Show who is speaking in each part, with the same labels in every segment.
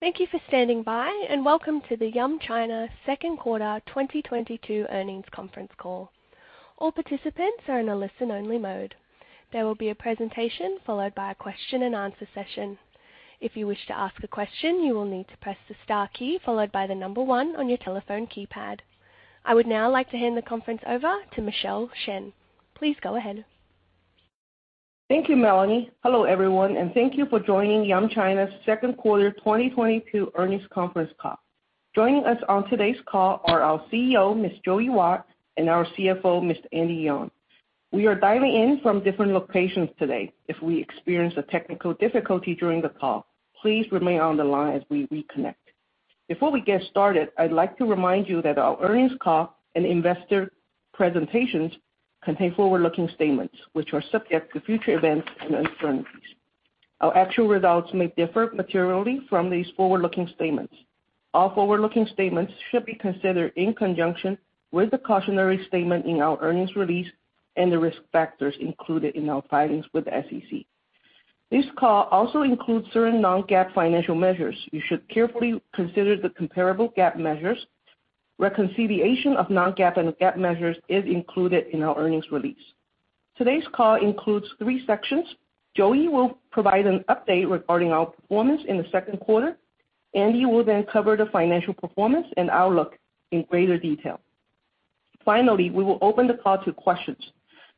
Speaker 1: Thank you for standing by, and welcome to the Yum China Q2 2022 earnings conference call. All participants are in a listen-only mode. There will be a presentation followed by a question-and-answer session. If you wish to ask a question, you will need to press the star key followed by the number 1 on your telephone keypad. I would now like to hand the conference over to Michelle Shen. Please go ahead.
Speaker 2: Thank you, Melanie. Hello, everyone and thank you for joining Yum China's Q2 2022 earnings conference call. Joining us on today's call are our CEO, Ms. Joey Wat, and our CFO, Mr. Andy Yeung. We are dialing in from different locations today. If we experience a technical difficulty during the call, please remain on the line as we reconnect. Before we get started, I'd like to remind you that our earnings call and investor presentations contain forward-looking statements, which are subject to future events and uncertainties. Our actual results may differ materially from these forward-looking statements. All forward-looking statements should be considered in conjunction with the cautionary statement in our earnings release and the risk factors included in our filings with the SEC. This call also includes certain non-GAAP financial measures. You should carefully consider the comparable GAAP measures. Reconciliation of non-GAAP and GAAP measures is included in our earnings release. Today's call includes three sections. Joey Wat will provide an update regarding our performance in the second quarter. Andy Yeung will then cover the financial performance and outlook in greater detail. Finally, we will open the call to questions.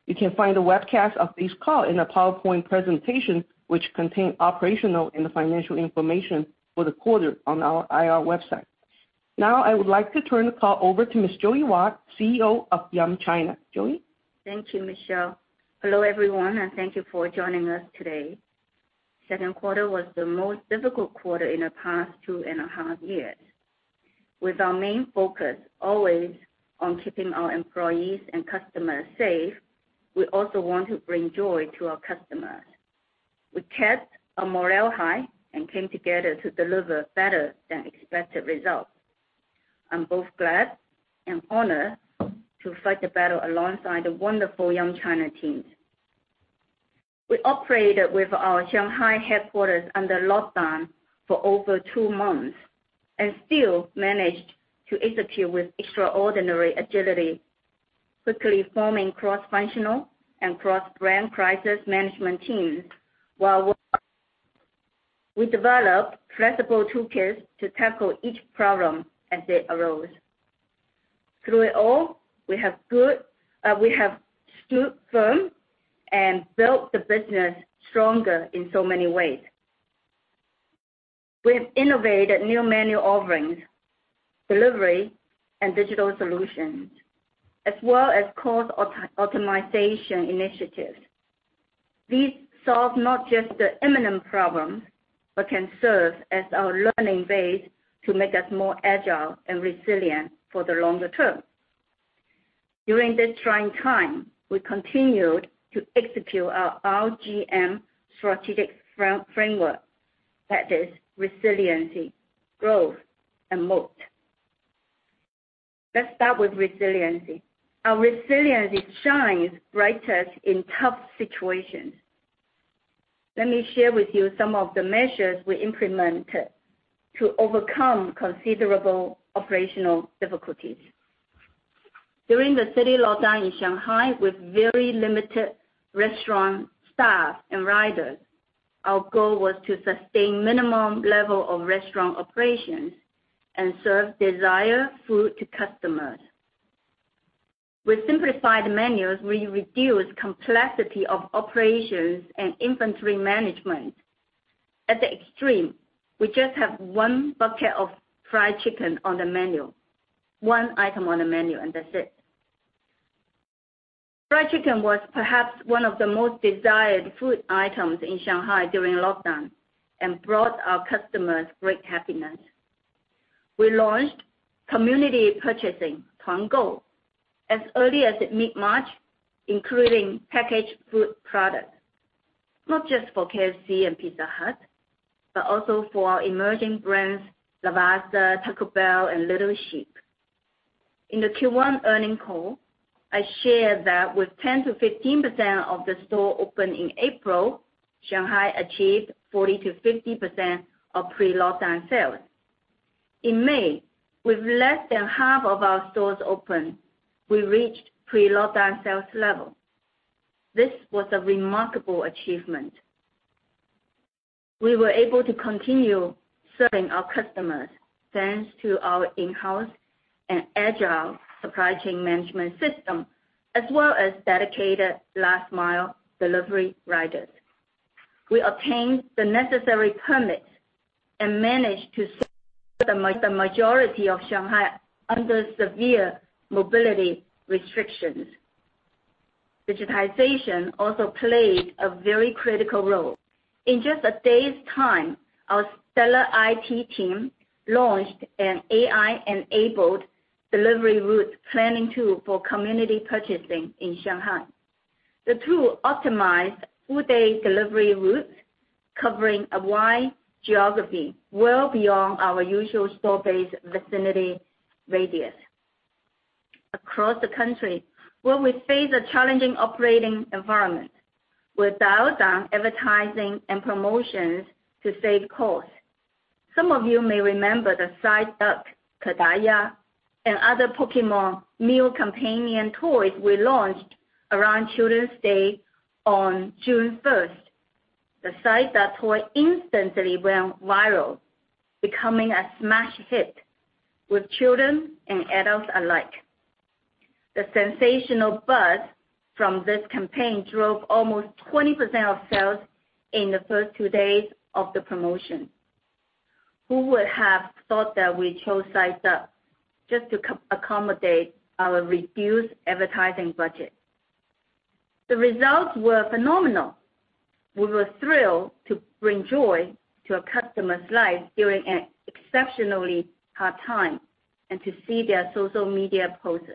Speaker 2: You can find a webcast and a PowerPoint presentation which contain operational and financial information for the quarter on our IR website. Now, I would like to turn the call over to Ms. Joey Wat, CEO of Yum China. Joey?
Speaker 3: Thank you, Michelle. Hello, everyone, and thank you for joining us today. Second quarter was the most difficult quarter in the past two and a half years. With our main focus always on keeping our employees and customers safe, we also want to bring joy to our customers. We kept our morale high and came together to deliver better than expected results. I'm both glad and honored to fight the battle alongside the wonderful Yum China teams. We operated with our Shanghai headquarters under lockdown for over two months, and still managed to execute with extraordinary agility, quickly forming cross-functional and cross-brand crisis management teams. We developed flexible toolkits to tackle each problem as it arose. Through it all, we have stood firm and built the business stronger in so many ways. We've innovated new menu offerings, delivery, and digital solutions, as well as cost auto-optimization initiatives. These solve not just the imminent problems, but can serve as our learning base to make us more agile and resilient for the longer term. During this trying time, we continued to execute our RGM strategic framework, that is resiliency, growth, and moat. Let's start with resiliency. Our resiliency shines brightest in tough situations. Let me share with you some of the measures we implemented to overcome considerable operational difficulties. During the city lockdown in Shanghai with very limited restaurant staff and riders, our goal was to sustain minimum level of restaurant operations and serve desired food to customers. With simplified menus, we reduced complexity of operations and inventory management. At the extreme, we just have one bucket of fried chicken on the menu. One item on the menu, and that's it. Fried chicken was perhaps one of the most desired food items in Shanghai during lockdown and brought our customers great happiness. We launched community purchasing, Tuangou, as early as mid-March, including packaged food products, not just for KFC and Pizza Hut, but also for our emerging brands, Lavazza, Taco Bell, and Little Sheep. In the Q1 earnings call, I shared that with 10%-15% of the stores open in April, Shanghai achieved 40%-50% of pre-lockdown sales. In May, with less than half of our stores open, we reached pre-lockdown sales level. This was a remarkable achievement. We were able to continue serving our customers thanks to our in-house and agile supply chain management system, as well as dedicated last-mile delivery riders. We obtained the necessary permits and managed to the majority of Shanghai under severe mobility restrictions. Digitization also played a very critical role. In just a day's time, our stellar IT team launched an AI-enabled delivery route planning tool for community purchasing in Shanghai. The tool optimized full-day delivery routes covering a wide geography well beyond our usual store-based vicinity radius. Across the country where we face a challenging operating environment. We've dialed down advertising and promotions to save costs. Some of you may remember the Psyduck, Koduck, and other Pokémon meal companion toys we launched around Children's Day on June first. The Psyduck toy instantly went viral, becoming a smash hit with children and adults alike. The sensational buzz from this campaign drove almost 20% of sales in the first two days of the promotion. Who would have thought that we chose Psyduck just to accommodate our reduced advertising budget? The results were phenomenal. We were thrilled to bring joy to our customers' lives during an exceptionally hard time, and to see their social media posts.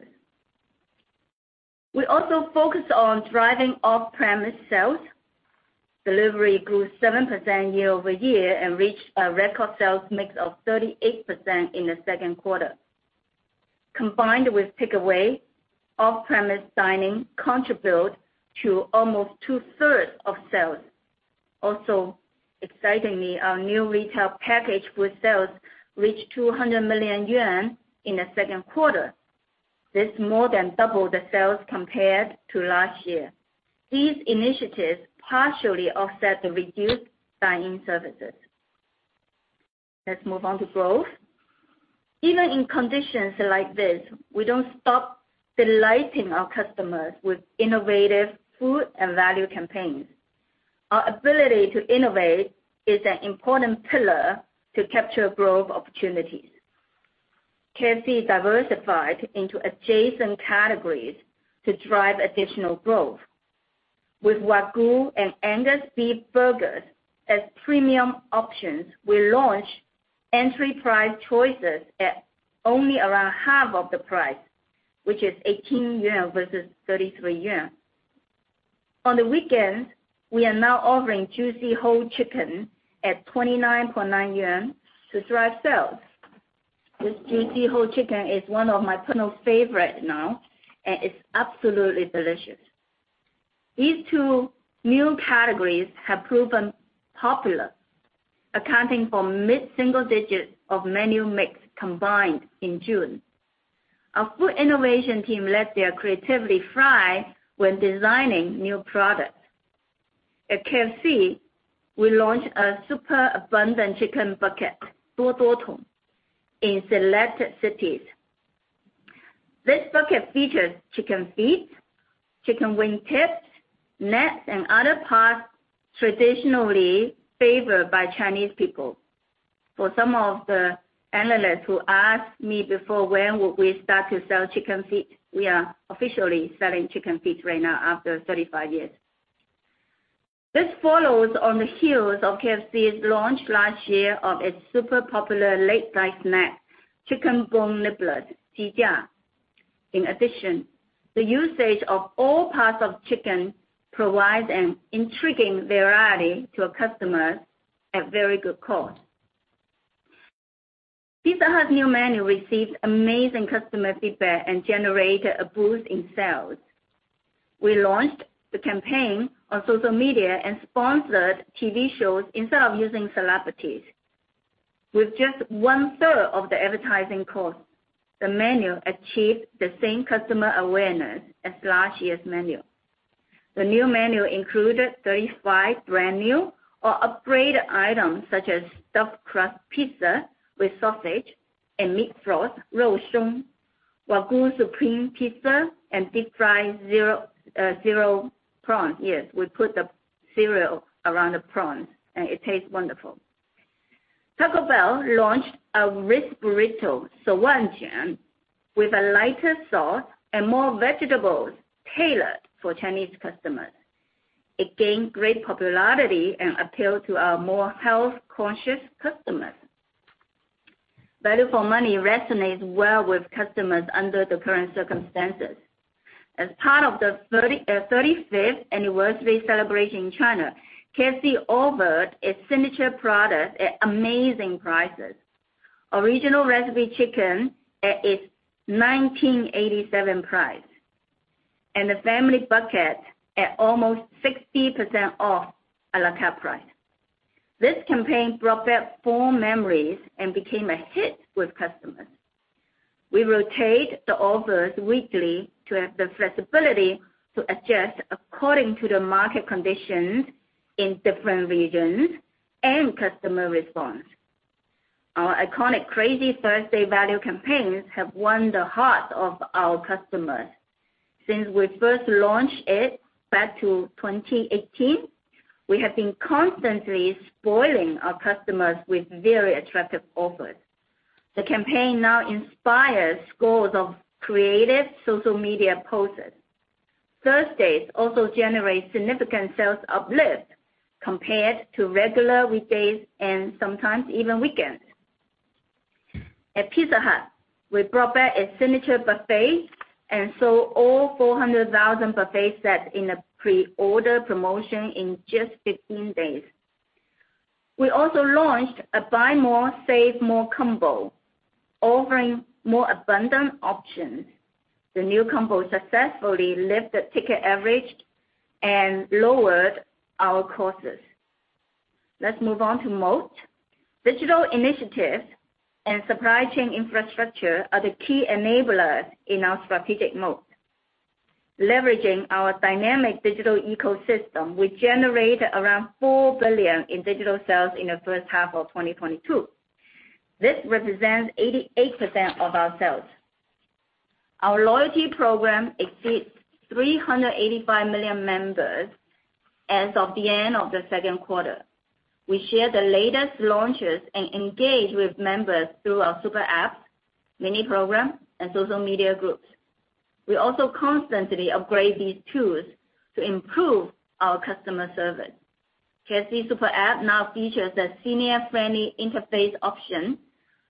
Speaker 3: We also focused on driving off-premise sales. Delivery grew 7% year-over-year and reached a record sales mix of 38% in the second quarter. Combined with takeaway, off-premise dining contribute to almost two-thirds of sales. Also, excitingly, our new retail packaged food sales reached 200 million yuan in the second quarter. This more than doubled the sales compared to last year. These initiatives partially offset the reduced dine-in services. Let's move on to growth. Even in conditions like this, we don't stop delighting our customers with innovative food and value campaigns. Our ability to innovate is an important pillar to capture growth opportunities. KFC diversified into adjacent categories to drive additional growth. With Wagyu and Angus beef burgers as premium options, we launched entry price choices at only around half of the price, which is 18 yuan versus 33 yuan. On the weekends, we are now offering juicy whole chicken at 29.9 yuan to drive sales. This juicy whole chicken is one of my personal favorite now, and it's absolutely delicious. These two new categories have proven popular, accounting for mid-single digits of menu mix combined in June. Our food innovation team let their creativity fly when designing new products. At KFC, we launched a super abundant chicken bucket, Duoduo Tong, in selected cities. This bucket features chicken feet, chicken wing tips, necks, and other parts traditionally favored by Chinese people. For some of the analysts who asked me before when will we start to sell chicken feet, we are officially selling chicken feet right now after 35 years. This follows on the heels of KFC's launch last year of its super popular late-night snack, chicken bone nibblers, Jijia. In addition, the usage of all parts of chicken provides an intriguing variety to our customers at very good cost. Pizza Hut's new menu received amazing customer feedback and generated a boost in sales. We launched the campaign on social media and sponsored TV shows instead of using celebrities. With just one-third of the advertising cost, the menu achieved the same customer awareness as last year's menu. The new menu included 35 brand-new or upgraded items such as stuffed crust pizza with sausage and meat floss, Rousong, Wagyu Supreme Pizza, and deep-fried cereal prawn. Yes, we put the cereal around the prawns and it tastes wonderful. Taco Bell launched a crisp burrito, Shouwojuan, with a lighter sauce and more vegetables tailored for Chinese customers. It gained great popularity and appeal to our more health-conscious customers. Value for money resonates well with customers under the current circumstances. As part of the thirty-fifth anniversary celebration in China, KFC offered its signature product at amazing prices. Original recipe chicken at its 1987 price, and a family bucket at almost 60% off a la carte price. This campaign brought back fond memories and became a hit with customers. We rotate the offers weekly to have the flexibility to adjust according to the market conditions in different regions and customer response. Our iconic Crazy Thursday value campaigns have won the hearts of our customers. Since we first launched it back to 2018, we have been constantly spoiling our customers with very attractive offers. The campaign now inspires scores of creative social media posts. Thursdays also generate significant sales uplift compared to regular weekdays and sometimes even weekends. At Pizza Hut, we brought back a signature buffet and sold all 400,000 buffet sets in a pre-order promotion in just 15 days. We also launched a buy more, save more combo, offering more abundant options. The new combo successfully lift the ticket average and lowered our costs. Let's move on to moat. Digital initiatives and supply chain infrastructure are the key enablers in our strategic moat. Leveraging our dynamic digital ecosystem, we generated around $4 billion in digital sales in the first half of 2022. This represents 88% of our sales. Our loyalty program exceeds 385 million members as of the end of the second quarter. We share the latest launches and engage with members through our super app, mini program, and social media groups. We also constantly upgrade these tools to improve our customer service. KFC super app now features a senior-friendly interface option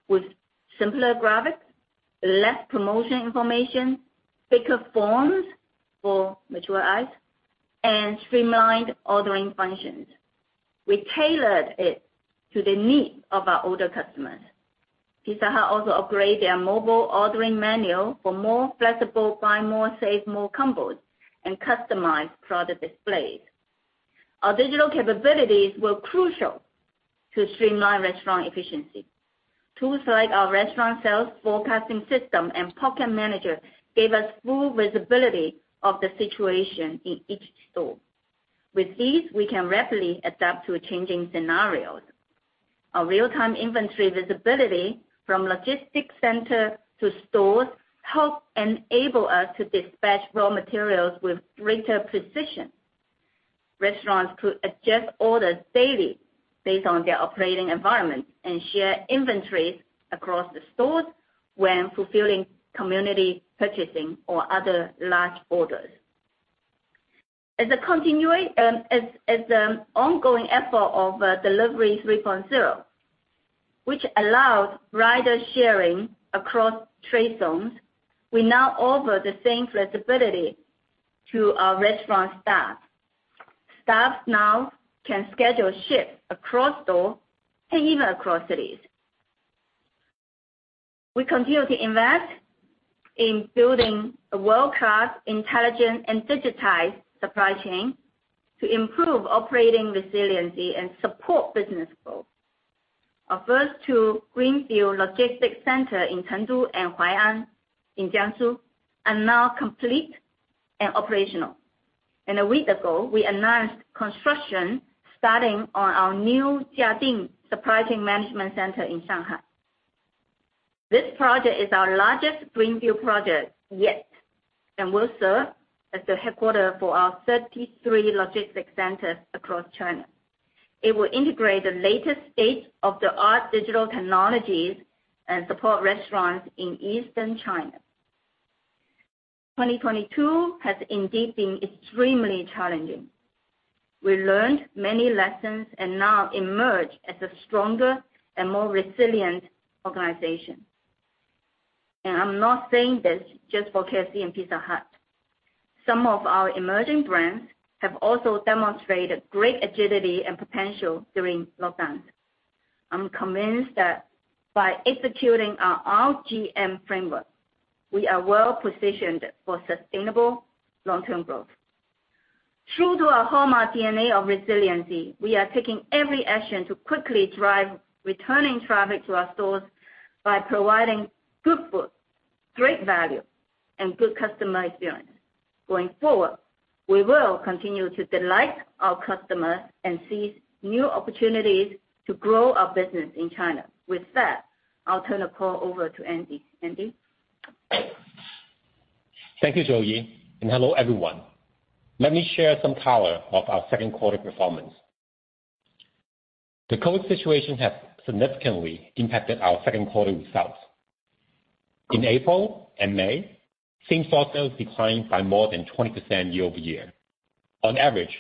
Speaker 3: with simpler graphics, less promotion information, bigger forms for mature eyes, and streamlined ordering functions. We tailored it to the needs of our older customers. Pizza Hut also upgraded their mobile ordering menu for more flexible buy more, save more combos and customized product displays. Our digital capabilities were crucial to streamline restaurant efficiency. Tools like our restaurant sales forecasting system and pocket manager gave us full visibility of the situation in each store. With these, we can rapidly adapt to changing scenarios. Our real-time inventory visibility from logistics center to stores help enable us to dispatch raw materials with greater precision. Restaurants could adjust orders daily based on their operating environment and share inventories across the stores when fulfilling community purchasing or other large orders. As an ongoing effort of Delivery 3.0, which allows rider sharing across trade zones, we now offer the same flexibility to our restaurant staff. Staff now can schedule shifts across stores and even across cities. We continue to invest in building a world-class intelligent and digitized supply chain to improve operating resiliency and support business growth. Our first two greenfield logistics center in Chengdu and Huai'an in Jiangsu are now complete and operational. A week ago, we announced construction starting on our new Jiading Supply Chain Management Center in Shanghai. This project is our largest greenfield project yet, and will serve as the headquarters for our 33 logistics centers across China. It will integrate the latest state-of-the-art digital technologies and support restaurants in Eastern China. 2022 has indeed been extremely challenging. We learned many lessons and now emerge as a stronger and more resilient organization. I'm not saying this just for KFC and Pizza Hut. Some of our emerging brands have also demonstrated great agility and potential during lockdowns. I'm convinced that by executing our RGM framework, we are well positioned for sustainable long-term growth. True to our Home Run DNA of resiliency, we are taking every action to quickly drive returning traffic to our stores by providing good food, great value, and good customer experience. Going forward, we will continue to delight our customers and seize new opportunities to grow our business in China. With that, I'll turn the call over to Andy. Andy?
Speaker 4: Thank you, Joey, and hello, everyone. Let me share some color of our second quarter performance. The COVID situation has significantly impacted our second quarter results. In April and May, same-store sales declined by more than 20% year-over-year. On average,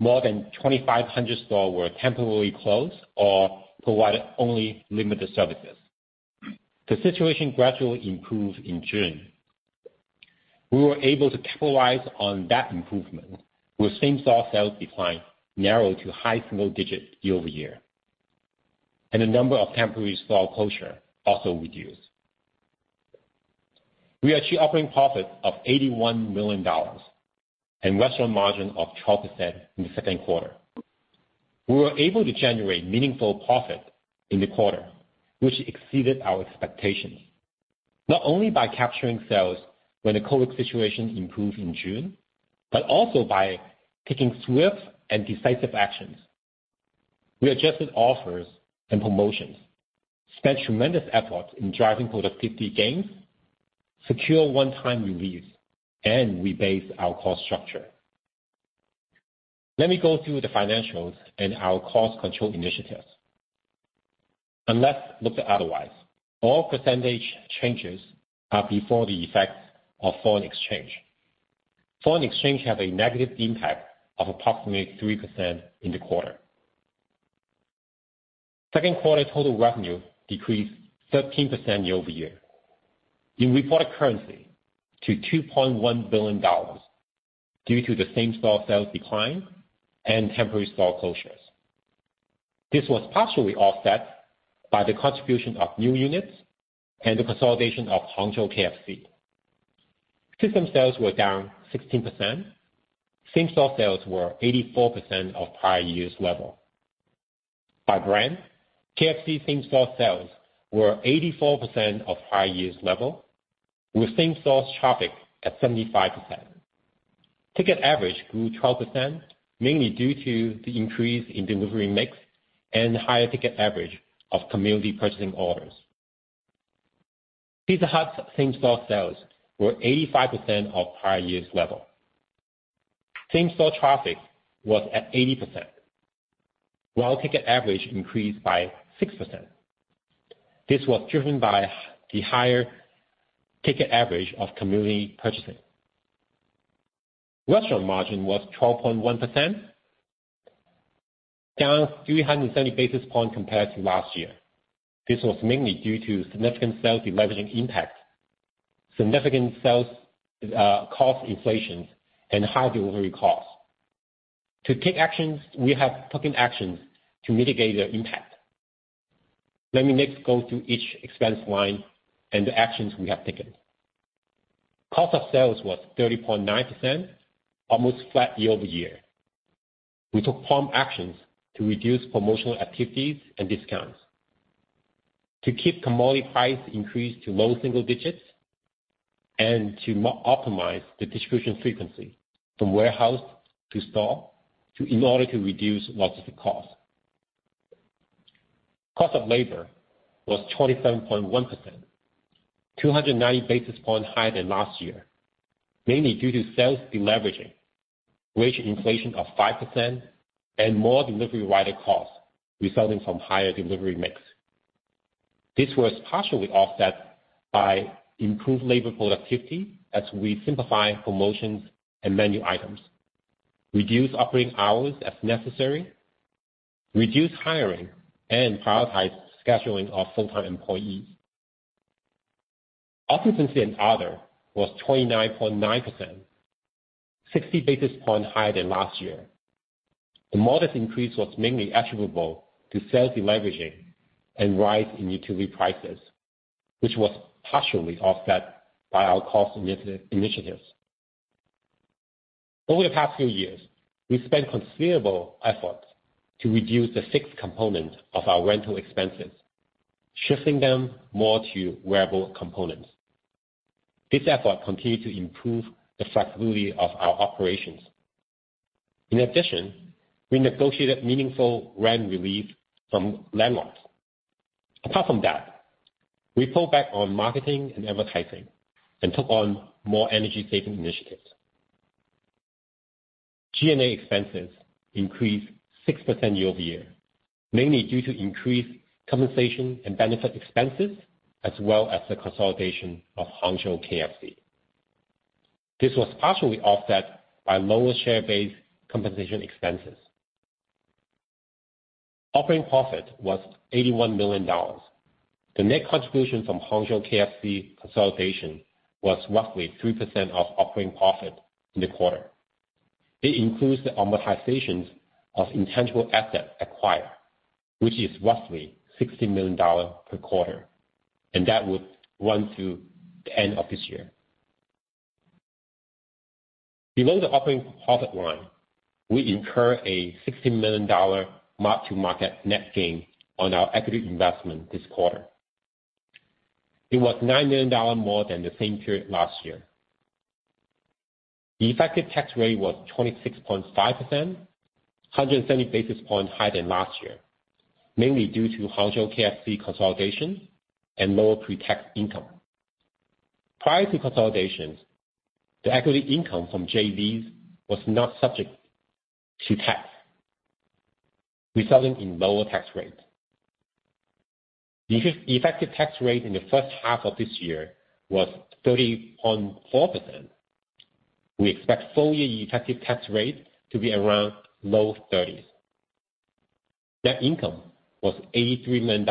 Speaker 4: more than 2,500 stores were temporarily closed or provided only limited services. The situation gradually improved in June. We were able to capitalize on that improvement, with same-store sales decline narrowed to high single digits year-over-year, and the number of temporary store closure also reduced. We achieved operating profit of $81 million and restaurant margin of 12% in the second quarter. We were able to generate meaningful profit in the quarter, which exceeded our expectations, not only by capturing sales when the COVID situation improved in June, but also by taking swift and decisive actions. We adjusted offers and promotions, spent tremendous efforts in driving productivity gains, secure one-time release, and rebased our cost structure. Let me go through the financials and our cost control initiatives. Unless noted otherwise, all percentage changes are before the effect of foreign exchange. Foreign exchange has a negative impact of approximately 3% in the quarter. Second quarter total revenue decreased 13% year-over-year. In reported currency to $2.1 billion due to the same-store sales decline and temporary store closures. This was partially offset by the contribution of new units and the consolidation of Hangzhou KFC. System sales were down 16%. Same-store sales were 84% of prior year's level. By brand, KFC same-store sales were 84% of prior year's level, with same-store traffic at 75%. Ticket average grew 12%, mainly due to the increase in delivery mix and higher ticket average of community purchasing orders. Pizza Hut same-store sales were 85% of prior year's level. Same-store traffic was at 80%, while ticket average increased by 6%. This was driven by the higher ticket average of community purchasing. Restaurant margin was 12.1%, down 370 basis points compared to last year. This was mainly due to significant sales deleveraging impact, cost inflation, and high delivery costs. We have taken actions to mitigate the impact. Let me next go through each expense line and the actions we have taken. Cost of sales was 30.9%, almost flat year-over-year. We took firm actions to reduce promotional activities and discounts, to keep commodity price increase to low single digits, and to optimize the distribution frequency from warehouse to store, in order to reduce logistics costs. Cost of labor was 27.1%, 290 basis points higher than last year, mainly due to sales deleveraging, wage inflation of 5%, and more delivery rider costs resulting from higher delivery mix. This was partially offset by improved labor productivity as we simplify promotions and menu items, reduce operating hours as necessary, reduce hiring, and prioritize scheduling of full-time employees. Utilities and other was 29.9%, 60 basis points higher than last year. The modest increase was mainly attributable to sales deleveraging and rise in utility prices, which was partially offset by our cost initiatives. Over the past few years, we spent considerable efforts to reduce the fixed component of our rental expenses, shifting them more to variable components. This effort continued to improve the flexibility of our operations. In addition, we negotiated meaningful rent relief from landlords. Apart from that, we pulled back on marketing and advertising and took on more energy-saving initiatives. G&A expenses increased 6% year-over-year, mainly due to increased compensation and benefit expenses, as well as the consolidation of Hangzhou KFC. This was partially offset by lower share-based compensation expenses. Operating profit was $81 million. The net contribution from Hangzhou KFC consolidation was roughly 3% of operating profit in the quarter. It includes the amortizations of intangible assets acquired, which is roughly $60 million per quarter, and that would run through the end of this year. Below the operating profit line, we incur a $60 million mark-to-market net gain on our equity investment this quarter. It was $9 million more than the same period last year. The effective tax rate was 26.5%, 170 basis points higher than last year, mainly due to Hangzhou KFC consolidation and lower pre-tax income. Prior to consolidations, the equity income from JVs was not subject to tax, resulting in lower tax rate. The effective tax rate in the first half of this year was 30.4%. We expect full year effective tax rate to be around low 30s. Net income was $83 million.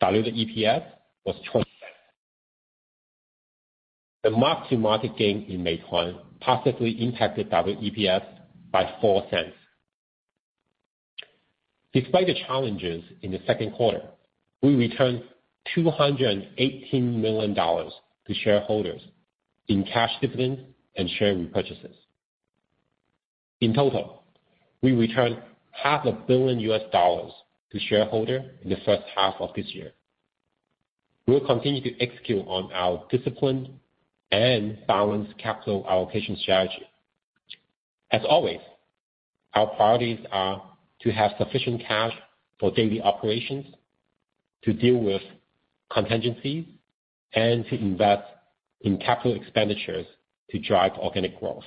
Speaker 4: Diluted EPS was $0.20. The mark-to-market gain in Meituan positively impacted our EPS by $0.04. Despite the challenges in the second quarter, we returned $218 million to shareholders in cash dividends and share repurchases. In total, we returned $ half a billion to shareholders in the first half of this year. We will continue to execute on our discipline and balanced capital allocation strategy. As always, our priorities are to have sufficient cash for daily operations, to deal with contingencies, and to invest in capital expenditures to drive organic growth.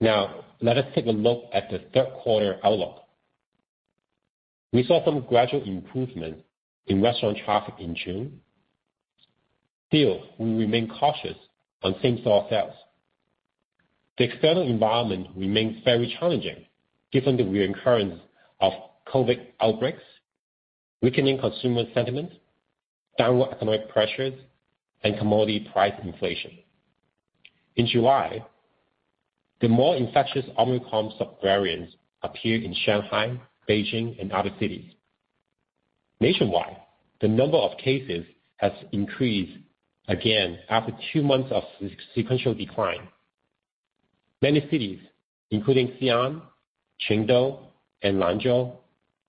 Speaker 4: Now, let us take a look at the third quarter outlook. We saw some gradual improvement in restaurant traffic in June. Still, we remain cautious on same-store sales. The external environment remains very challenging given the reoccurrence of COVID outbreaks, weakening consumer sentiment, downward economic pressures, and commodity price inflation. In July, the more infectious Omicron subvariants appeared in Shanghai, Beijing, and other cities. Nationwide, the number of cases has increased again after two months of sequential decline. Many cities, including Xi'an, Chengdu, and Lanzhou,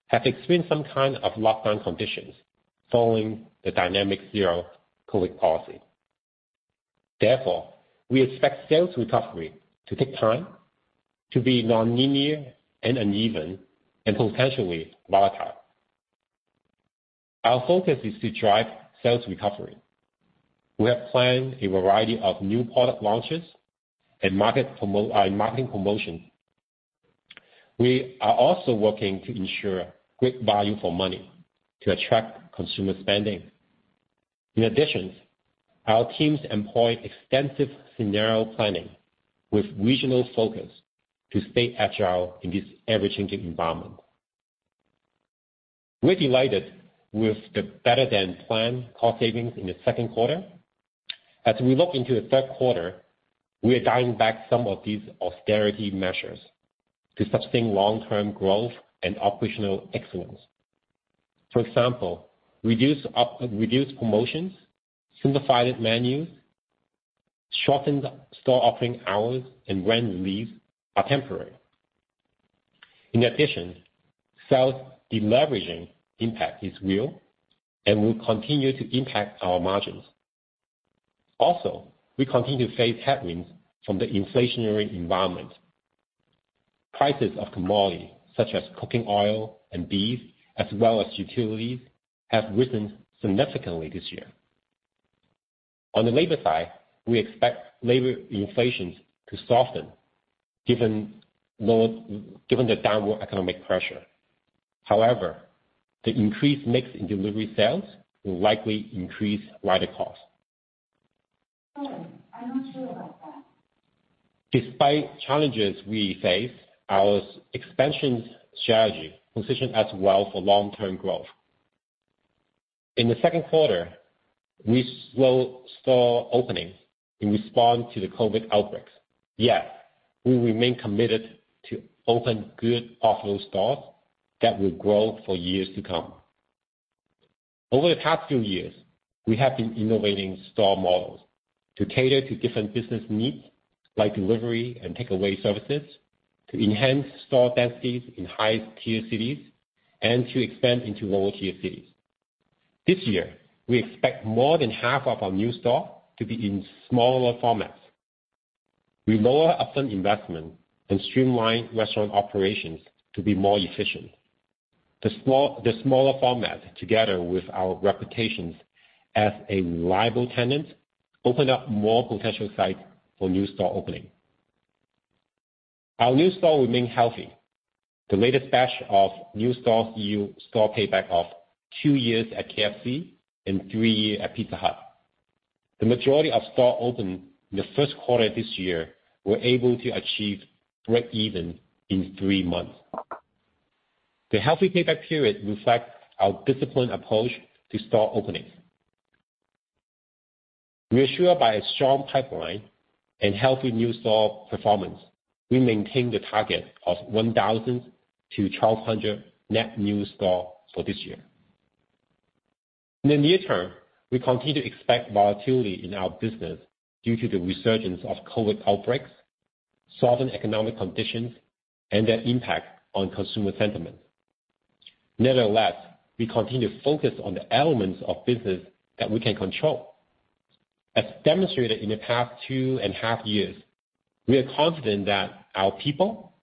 Speaker 4: have experienced some kind of lockdown conditions following the dynamic zero-COVID policy. Therefore, we expect sales recovery to take time to be nonlinear and uneven and potentially volatile. Our focus is to drive sales recovery. We have planned a variety of new product launches and marketing promotions. We are also working to ensure great value for money to attract consumer spending. In addition, our teams employ extensive scenario planning with regional focus to stay agile in this ever-changing environment. We're delighted with the better-than-planned cost savings in the second quarter. As we look into the third quarter, we are dialing back some of these austerity measures to sustain long-term growth and operational excellence. For example, reduced promotions, simplified menus, shortened store operating hours and rent relief are temporary. In addition, self-deleveraging impact is real and will continue to impact our margins. Also, we continue to face headwinds from the inflationary environment. Prices of commodities, such as cooking oil and beef, as well as utilities, have risen significantly this year. On the labor side, we expect labor inflation to soften given the downward economic pressure. However, the increased mix in delivery sales will likely increase rider costs.
Speaker 1: Sorry, I'm not sure about that.
Speaker 4: Despite challenges we face, our expansion strategy positions us well for long-term growth. In the second quarter, we slowed store openings in response to the COVID outbreaks. Yet, we remain committed to open good offline stores that will grow for years to come. Over the past few years, we have been innovating store models to cater to different business needs, like delivery and takeaway services, to enhance store densities in high-tier cities, and to expand into lower-tier cities. This year, we expect more than half of our new stores to be in smaller formats. We lower upfront investment and streamline restaurant operations to be more efficient. The smaller format, together with our reputation as a reliable tenant, opens up more potential sites for new store openings. Our new stores remain healthy. The latest batch of new stores yield store payback of 2 years at KFC and 3 years at Pizza Hut. The majority of stores opened in the first quarter this year were able to achieve breakeven in 3 months. The healthy payback period reflects our disciplined approach to store openings. Reassured by a strong pipeline and healthy new store performance, we maintain the target of 1,000 to 1,200 net new stores for this year. In the near term, we continue to expect volatility in our business due to the resurgence of COVID outbreaks, softened economic conditions, and their impact on consumer sentiment. Nevertheless, we continue to focus on the elements of business that we can control. As demonstrated in the past two and a half years, we are confident that our people,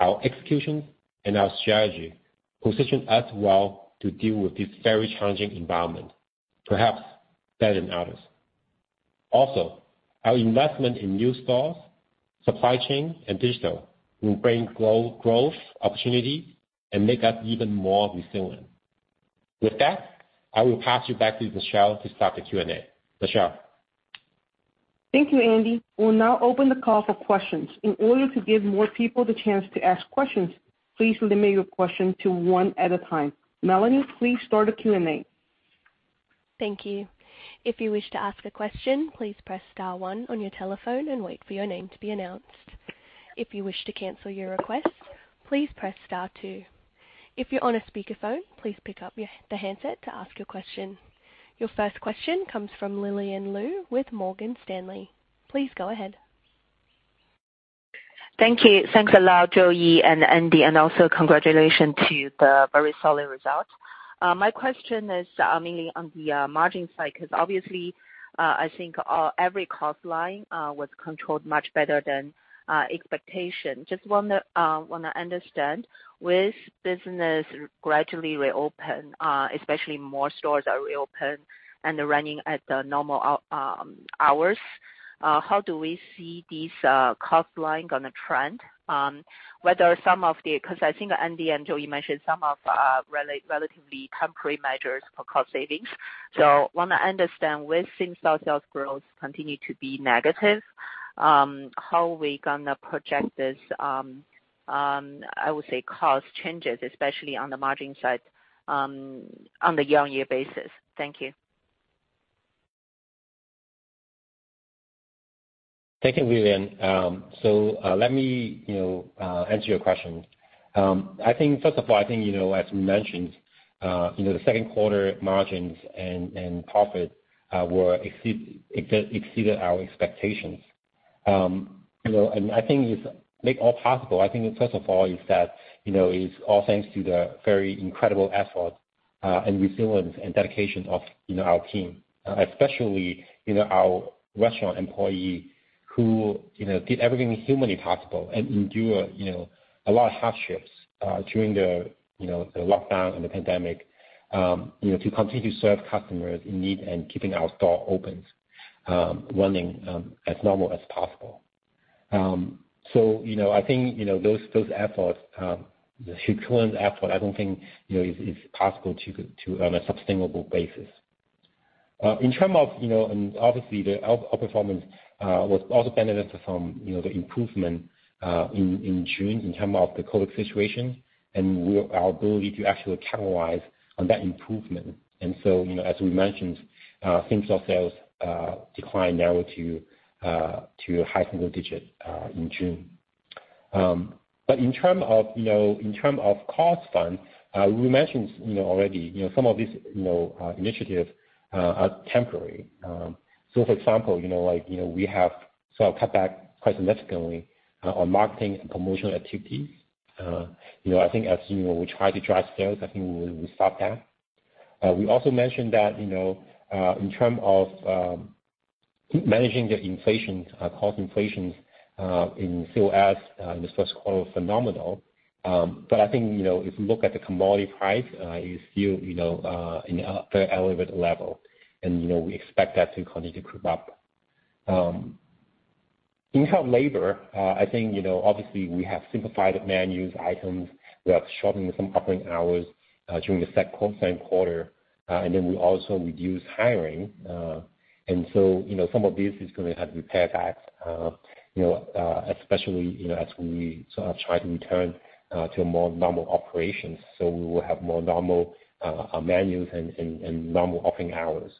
Speaker 4: our execution, and our strategy position us well to deal with this very challenging environment, perhaps better than others. Also, our investment in new stores, supply chain, and digital will bring global growth, opportunity, and make us even more resilient. With that, I will pass you back to Michelle to start the Q&A. Michelle?
Speaker 2: Thank you, Andy. We'll now open the call for questions. In order to give more people the chance to ask questions, please limit your question to one at a time. Melanie, please start the Q&A.
Speaker 1: Thank you. If you wish to ask a question, please press star one on your telephone and wait for your name to be announced. If you wish to cancel your request, please press star two. If you're on a speakerphone, please pick up your handset to ask your question. Your first question comes from Lillian Lou with Morgan Stanley. Please go ahead.
Speaker 5: Thank you. Thanks a lot, Joey and Andy, and also congratulations to the very solid results. My question is mainly on the margin side, because obviously I think every cost line was controlled much better than expectation. Just wanna understand, with business gradually reopen, especially more stores are reopen and running at the normal hours, how do we see these cost line gonna trend. Whether some of the. 'Cause I think Andy and Joey mentioned some of relatively temporary measures for cost savings. So wanna understand, will same-store sales growth continue to be negative? How are we gonna project this, I would say, cost changes, especially on the margin side, on the year-on-year basis? Thank you.
Speaker 4: Thank you, Lillian. Let me, you know, answer your question. I think, first of all, you know, as we mentioned, you know, the second quarter margins and profit were exceeded our expectations. You know, and I think it was made possible. First of all is that, you know, it's all thanks to the very incredible effort and resilience and dedication of, you know, our team, especially, you know, our restaurant employee who, you know, did everything humanly possible and endure, you know, a lot of hardships during the, you know, the lockdown and the pandemic, you know, to continue to serve customers in need and keeping our store open, running, as normal as possible. I think those efforts, the current effort, I don't think is possible on a sustainable basis. In terms of, and obviously the outperformance was also benefited from the improvement in June in terms of the COVID situation and our ability to actually capitalize on that improvement. As we mentioned, same store sales declined high single digit in June. In terms of the cost front, we mentioned already some of these initiatives are temporary. For example, like, we have sort of cut back quite significantly on marketing and promotional activities. You know, I think as you know, we try to drive sales. I think we stop that. We also mentioned that, you know, in terms of managing the inflation, cost inflation in food costs in the first quarter phenomenal. I think, you know, if you look at the commodity price, are still you know at a very elevated level. You know, we expect that to continue to creep up. In terms of labor, I think, you know, obviously we have simplified menu items. We have shortened some operating hours during the second quarter, and then we also reduced hiring. You know, some of this is gonna have to be pared back, you know, especially, you know, as we sort of try to return to a more normal operations. We will have more normal menus and normal operating hours.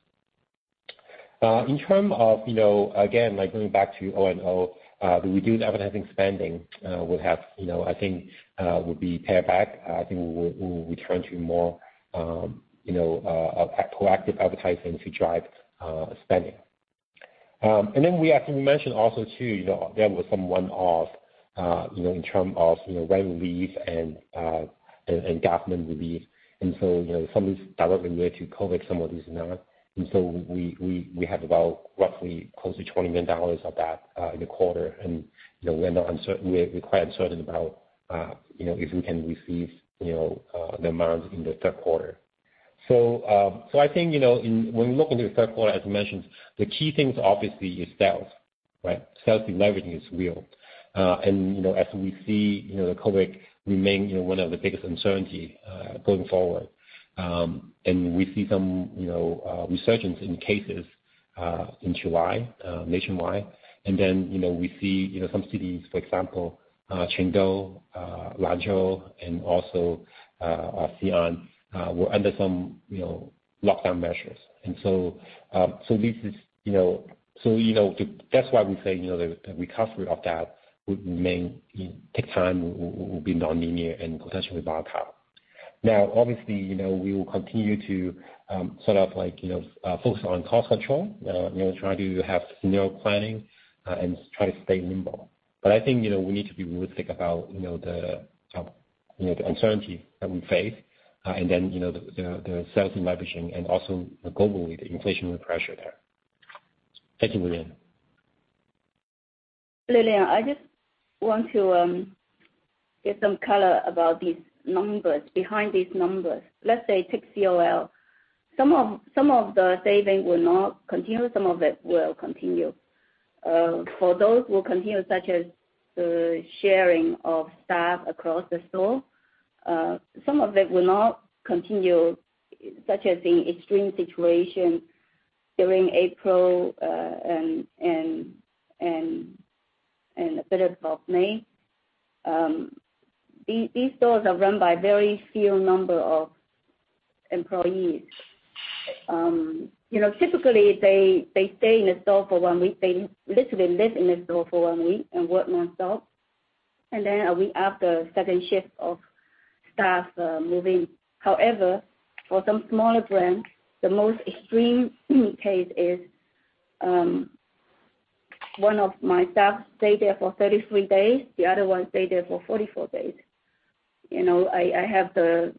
Speaker 4: In terms of, you know, again, like going back to O&O, the reduced advertising spending will be pared back. I think we return to more, you know, proactive advertising to drive spending. We, as we mentioned also too, you know, there was some one-off, you know, in terms of, you know, rent relief and government relief. You know, some is directly related to COVID, some of this is not. We have about roughly close to $20 million of that in the quarter. You know, we're not uncertain, we're quite uncertain about you know if we can receive you know the amounts in the third quarter. I think you know when we look into the third quarter, as mentioned, the key thing obviously is sales, right? Sales de-leveraging is real. You know, as we see you know COVID remains you know one of the biggest uncertainty going forward. We see some you know resurgence in cases in July nationwide. You know, we see you know some cities, for example, Chengdu, Lanzhou, and also Xi'an were under some you know lockdown measures. That's why we say, you know, the recovery of that would remain, take time, will be nonlinear and potentially volatile. Now, obviously, you know, we will continue to, sort of like, you know, focus on cost control, you know, try to have scenario planning, and try to stay nimble. I think, you know, we need to be realistic about, you know, the uncertainty that we face, and then, you know, the sales de-leveraging and also globally, the inflationary pressure there. Thank you, Lillian.
Speaker 3: Lillian, I just want to get some color about these numbers behind these numbers. Let's say take COL. Some of the saving will not continue, some of it will continue. For those who continue, such as the sharing of staff across the store, some of it will not continue, such as the extreme situation during April and a bit of May. These stores are run by very few number of employees. You know, typically they stay in the store for 1 week. They literally live in the store for 1 week and work nonstop. Then a week after, second shift of staff move in. However, for some smaller brands, the most extreme case is one of my staff stayed there for 33 days, the other one stayed there for 44 days. You know, I have the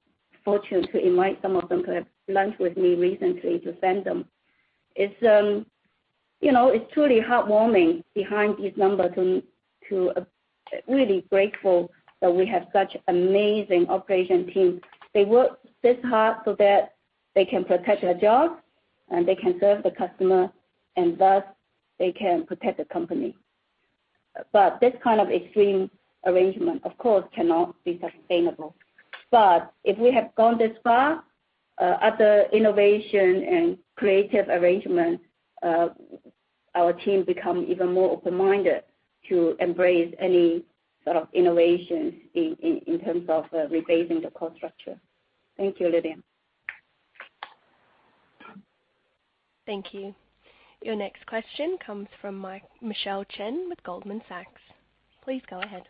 Speaker 3: fortune to invite some of them to have lunch with me recently to thank them. It's you know, it's truly heartwarming behind these numbers and to really grateful that we have such amazing operation team. They work this hard so that they can protect their job, and they can serve the customer, and thus they can protect the company. This kind of extreme arrangement, of course, cannot be sustainable. If we have gone this far, other innovation and creative arrangement, our team become even more open-minded to embrace any sort of innovation in terms of rebasing the cost structure. Thank you, Lillian Lou.
Speaker 1: Thank you. Your next question comes from Michelle Cheng with Goldman Sachs. Please go ahead.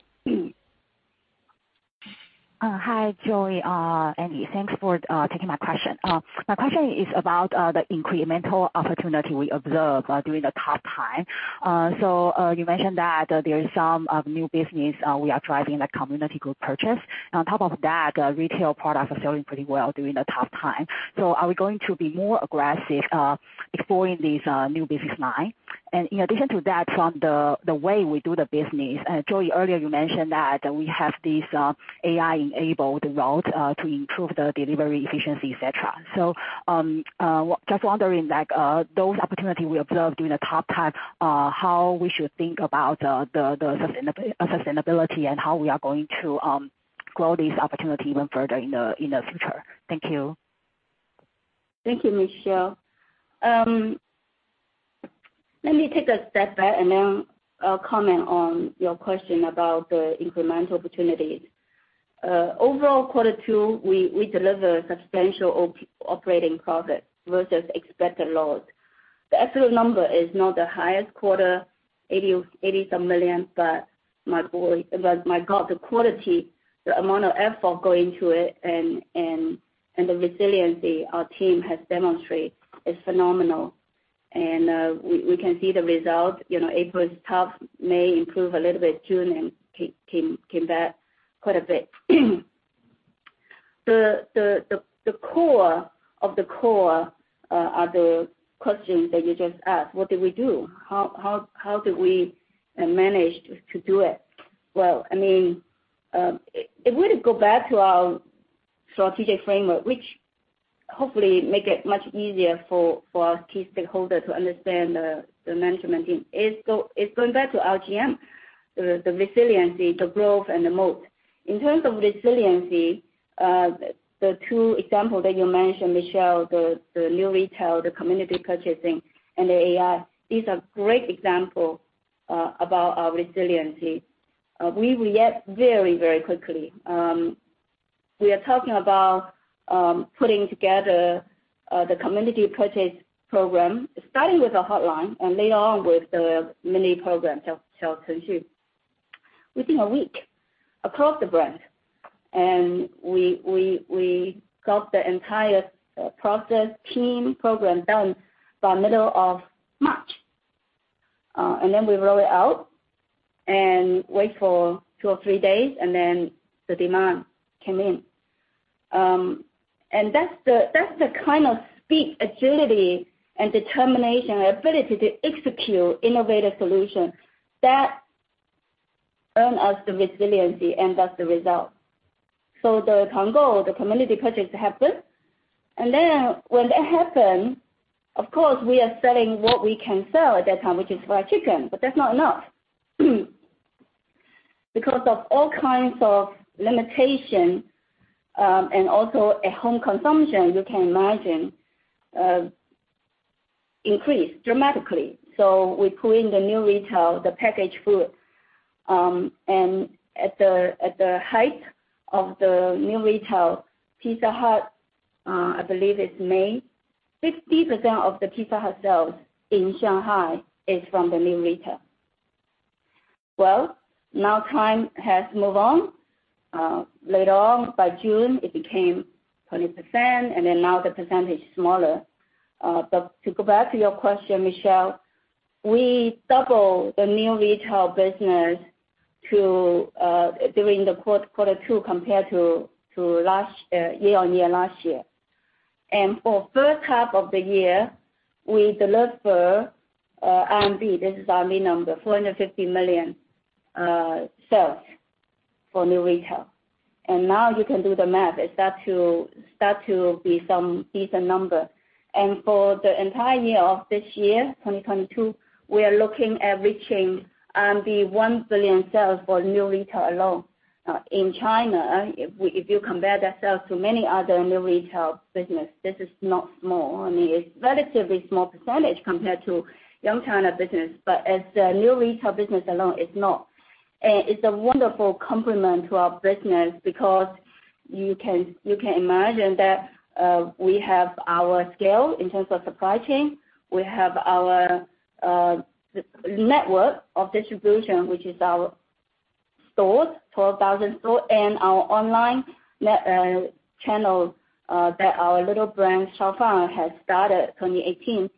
Speaker 6: Hi, Joey, Andy. Thanks for taking my question. My question is about the incremental opportunity we observe during the tough time. You mentioned that there is some new business we are driving, like community group purchase. On top of that, retail products are selling pretty well during the tough time. Are we going to be more aggressive exploring these new business line? In addition to that, from the way we do the business, Joey, earlier you mentioned that we have this AI-enabled route to improve the delivery efficiency, et cetera. Just wondering, like, those opportunity we observed during the tough time, how we should think about the sustainability and how we are going to grow this opportunity even further in the future. Thank you.
Speaker 3: Thank you, Michelle. Let me take a step back and then I'll comment on your question about the incremental opportunities. Overall, quarter two, we delivered substantial operating profit versus expected loss. The absolute number is not the highest quarter, $80-some million, but my God, the quality, the amount of effort going to it and the resiliency our team has demonstrated is phenomenal. We can see the result. You know, April is tough, May improved a little bit, June came back quite a bit. The core of the core are the questions that you just asked. What did we do? How did we manage to do it? Well, I mean, if we go back to our strategic framework, which hopefully make it much easier for our key stakeholder to understand the management team, it's going back to our RGM, the resiliency, the growth and the moat. In terms of resiliency, the two example that you mentioned, Michelle, the new retail, the community purchasing and the AI is a great example about our resiliency. We react very, very quickly. We are talking about putting together the community purchase program, starting with a hotline and later on with the mini program, xiaochengxu, within a week across the brand. We got the entire process, team, program done by middle of March. We roll it out and wait for two or three days and then the demand came in. That's the kind of speed, agility and determination, ability to execute innovative solutions that earn us the resiliency and that's the result. The Tuangou, the community purchase happened. When that happened, of course, we are selling what we can sell at that time, which is fried chicken, but that's not enough. Because of all kinds of limitations, and also at home consumption, you can imagine, increased dramatically. We put in the new retail, the packaged food. At the height of the new retail, Pizza Hut, I believe it's May, 50% of the Pizza Hut sales in Shanghai is from the new retail. Now time has moved on. Later on by June, it became 20%, and then now the percentage is smaller. To go back to your question, Michelle, we doubled the new retail business during Q2 compared to last year year-on-year. For first half of the year, we delivered RMB. This is our main number, 450 million RMB sales for new retail. Now you can do the math. It starts to be some decent number. For the entire year of this year, 2022, we are looking at reaching RMB 1 billion sales for new retail alone. In China, if you compare that sales to many other new retail business, this is not small. I mean, it's relatively small percentage compared to Yum China business, but as the new retail business alone, it's not. It's a wonderful complement to our business because you can imagine that we have our scale in terms of supply chain. We have our network of distribution, which is our stores, 12,000 stores, and our online network channels that our little brand, Shaofaner, has started 2018.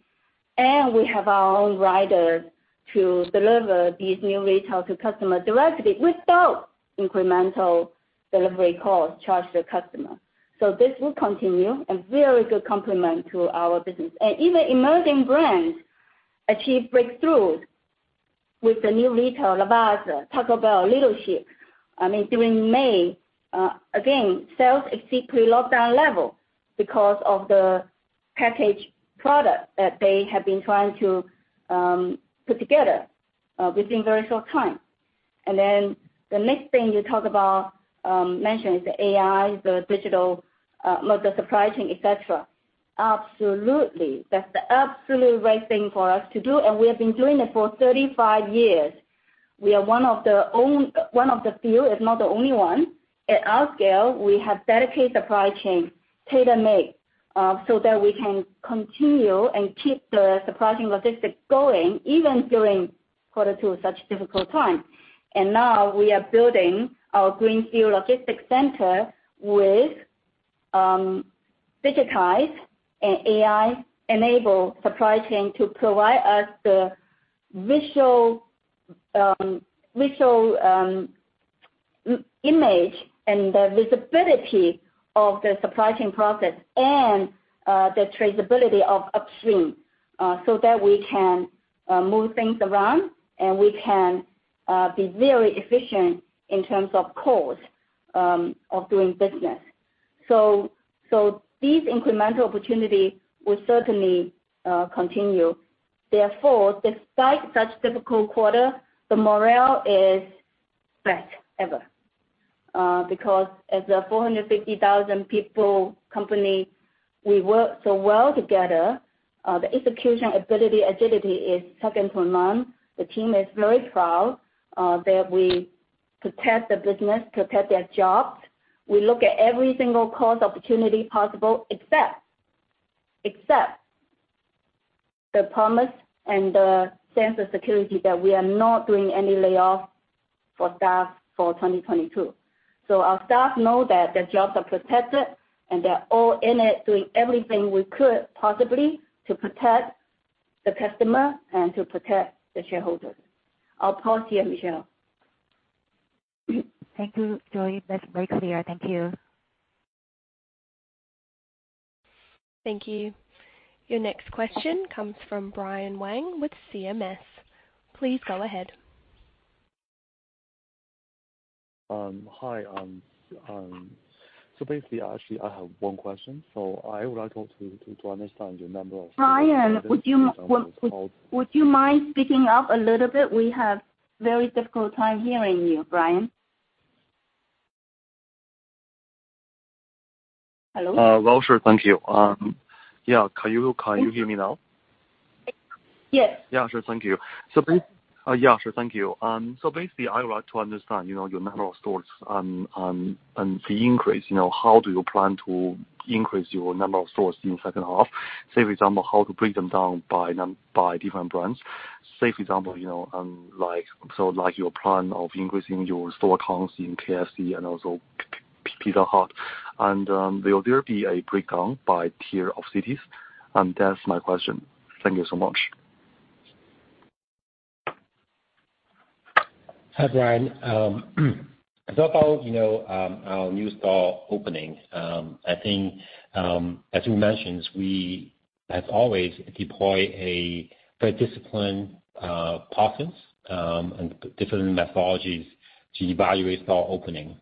Speaker 3: We have our own rider to deliver these new retail to customers directly without incremental delivery cost charged to the customer. This will continue, a very good complement to our business. Even emerging brands achieve breakthrough with the new retail, Lavazza, Taco Bell, Little Sheep. I mean, during May, again, sales exceed pre-lockdown level because of the packaged product that they have been trying to put together within very short time. The next thing you talk about, mention is the AI, the digital, the supply chain, et cetera. Absolutely. That's the absolute right thing for us to do, and we have been doing it for 35 years. We are one of the few, if not the only one. At our scale, we have dedicated supply chain tailor-made, so that we can continue and keep the supply chain logistics going even during quarter two, such difficult time. Now we are building our greenfield logistics center with digitized and AI-enabled supply chain to provide us the visual image and the visibility of the supply chain process and the traceability of upstream, so that we can move things around, and we can be very efficient in terms of cost of doing business. These incremental opportunity will certainly continue. Therefore, despite such difficult quarter, the morale is best ever, because as a 450,000 people company, we work so well together. The execution ability, agility is second to none. The team is very proud that we protect the business, protect their jobs. We look at every single cost opportunity possible, except the promise and the sense of security that we are not doing any layoff for staff for 2022. Our staff know that their jobs are protected, and they're all in it, doing everything we could possibly to protect the customer and to protect the shareholder. I'll pause here, Michelle.
Speaker 6: Thank you, Joey Wat. That's very clear. Thank you.
Speaker 1: Thank you. Your next question comes from Brian Wang with CMS. Please go ahead.
Speaker 7: Hi. Basically, actually, I have one question. I would like to understand your number of-
Speaker 3: Brian, would you mind speaking up a little bit? We have a very difficult time hearing you, Brian. Hello?
Speaker 7: Well, sure. Thank you. Yeah. Can you hear me now?
Speaker 3: Yes.
Speaker 7: Yeah, sure. Thank you. Basically, I would like to understand, you know, your number of stores and the increase. You know, how do you plan to increase your number of stores in the second half? Say, for example, how to break them down by different brands. Say, for example, you know, like, your plan of increasing your store counts in KFC and also Pizza Hut. Will there be a breakdown by tier of cities? That's my question. Thank you so much.
Speaker 4: Hi, Brian. About, you know, our new store opening. I think, as you mentioned, we, as always, deploy a very disciplined process and different methodologies to evaluate store opening.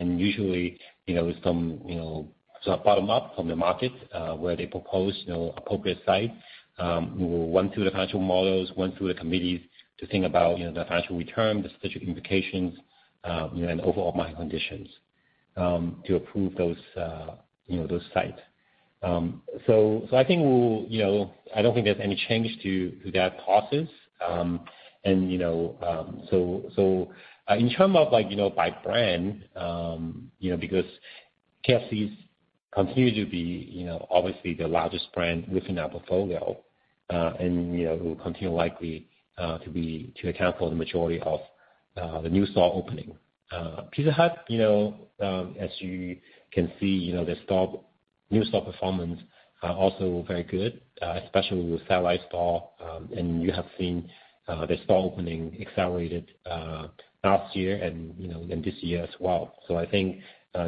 Speaker 4: Usually, you know, some, you know, sort of bottom-up from the market, where they propose, you know, appropriate sites, we'll run through the financial models, run through the committees to think about, you know, the financial return, the strategic implications, you know, and overall market conditions, to approve those sites. So I think we'll, you know, I don't think there's any change to that process. In terms of like by brand, because KFC continues to be obviously the largest brand within our portfolio, and will continue likely to account for the majority of the new store opening. Pizza Hut, as you can see, new store performance are also very good, especially with satellite store. You have seen the store opening accelerated last year and this year as well. I think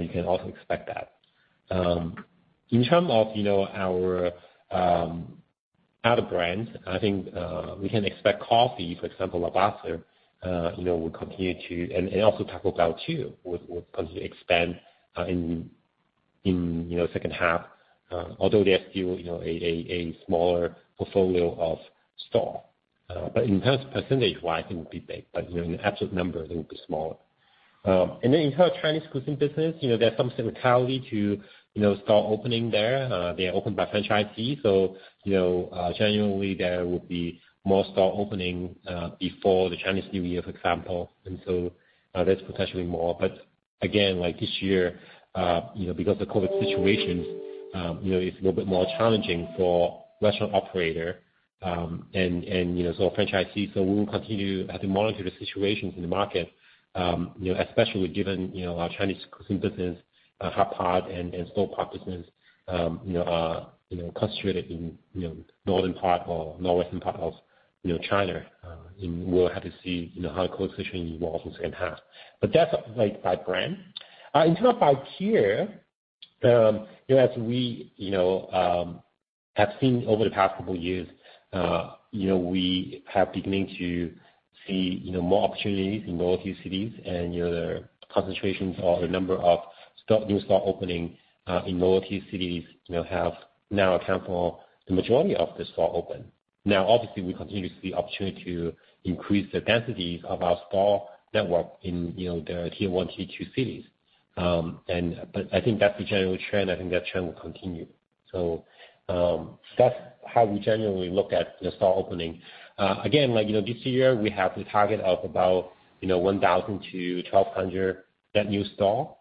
Speaker 4: you can also expect that. In terms of our other brands, I think we can expect coffee, for example, Lavazza, will continue to. Also Taco Bell too will continue to expand in you know second half although they are still you know a smaller portfolio of store. But in terms of percentage-wise it will be big but you know in absolute number it will be smaller. In terms of Chinese cuisine business you know there are some similarity to you know store opening there. They are opened by franchisee so you know genuinely there will be more store opening before the Chinese New Year for example. That's potentially more. Again like this year you know because the COVID situations you know it's a little bit more challenging for restaurant operator and you know so franchisees. We will continue to have to monitor the situations in the market, you know, especially given, you know, our Chinese cuisine business, hotpot and store product business, you know, concentrated in, you know, northern part or northwestern part of, you know, China. We'll have to see, you know, how the COVID situation evolves in second half. That's like by brand. In terms of by tier, you know, as we, you know, have seen over the past couple years, you know, we have beginning to see, you know, more opportunities in lower tier cities and, you know, the concentrations or the number of new store openings in lower tier cities, you know, have now account for the majority of the store openings. Now, obviously, we continue to see opportunity to increase the densities of our store network in, you know, the Tier 1, Tier 2 cities. I think that's the general trend. I think that trend will continue. That's how we generally look at the store opening. Again, like, you know, this year we have the target of about, you know, 1,000-1,200 net new store.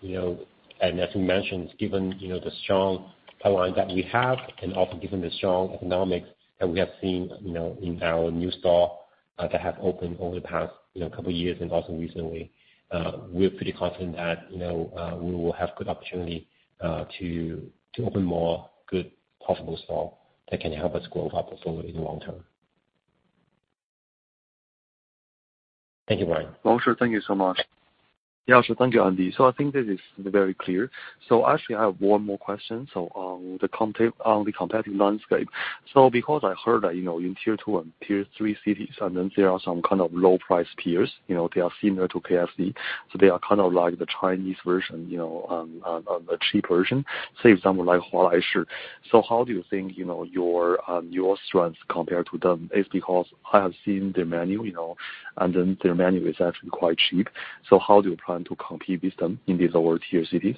Speaker 4: You know, as we mentioned, given you know, the strong pipeline that we have and also given the strong economics that we have seen, you know, in our new stores that have opened over the past, you know, couple years and also recently, we're pretty confident that, you know, we will have good opportunity to open more good possible stores that can help us grow our performance in the long term. Thank you, Brian.
Speaker 7: Oh, sure. Thank you so much. Yeah, sure. Thank you, Andy. I think this is very clear. Actually I have one more question. On the competitive landscape, because I heard that, you know, in tier two and tier three cities, and then there are some kind of low price peers, you know, they are similar to KFC, so they are kind of like the Chinese version, you know, a cheap version, say some like
Speaker 4: Sure.
Speaker 7: How do you think, you know, your strengths compare to them? It's because I have seen their menu, you know, and then their menu is actually quite cheap. How do you plan to compete with them in these lower tier cities?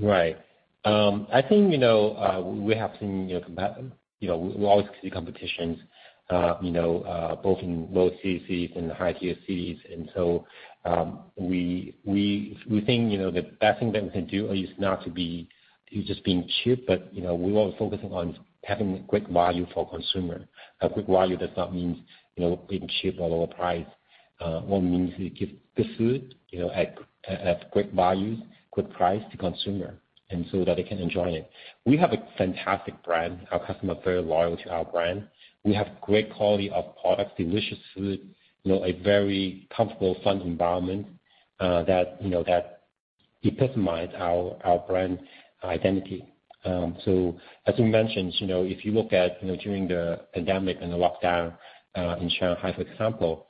Speaker 4: Right. I think, you know, we have seen, you know, we always see competitions, you know, both in low-tier cities and higher-tier cities. We think, you know, the best thing that we can do is not to be just being cheap, but you know, we're focusing on having great value for consumer. Great value does not mean, you know, being cheap or lower price, what it means is give the food, you know, at great value, great price to consumer, and so that they can enjoy it. We have a fantastic brand. Our customers are very loyal to our brand. We have great quality of products, delicious food, you know, a very comfortable, fun environment that you know epitomize our brand identity. As we mentioned, you know, if you look at, you know, during the pandemic and the lockdown in Shanghai, for example,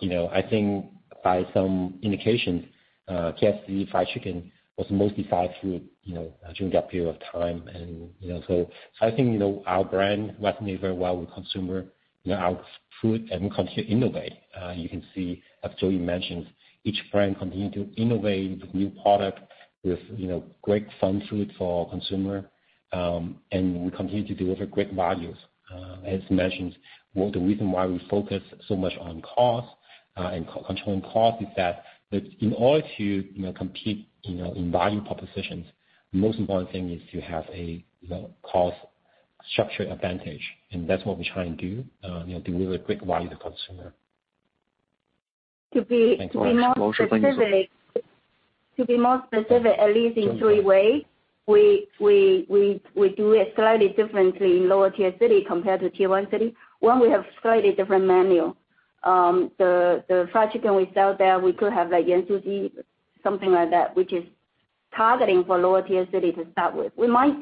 Speaker 4: you know, I think by some indications, KFC fried chicken was the most popular fried food, you know, during that period of time. You know, I think, you know, our brand resonate very well with consumer, you know, our food and continue to innovate. You can see, as Joey mentioned, each brand continue to innovate with new product, with, you know, great fun food for consumer. We continue to deliver great values. As mentioned, one of the reason why we focus so much on cost and controlling cost is that in order to, you know, compete, you know, in value propositions, most important thing is to have a, you know, cost structure advantage. That's what we try and do you know deliver great value to consumer.
Speaker 3: To be-
Speaker 4: Thanks.
Speaker 3: To be more specific.
Speaker 4: Oh, sure. Thank you so much.
Speaker 3: To be more specific, at least in three ways, we do it slightly differently in lower tier city compared to tier one city. One, we have slightly different menu. The fried chicken we sell there, we could have like Yanjiu Ji, something like that, which is targeting for lower tier city to start with. We might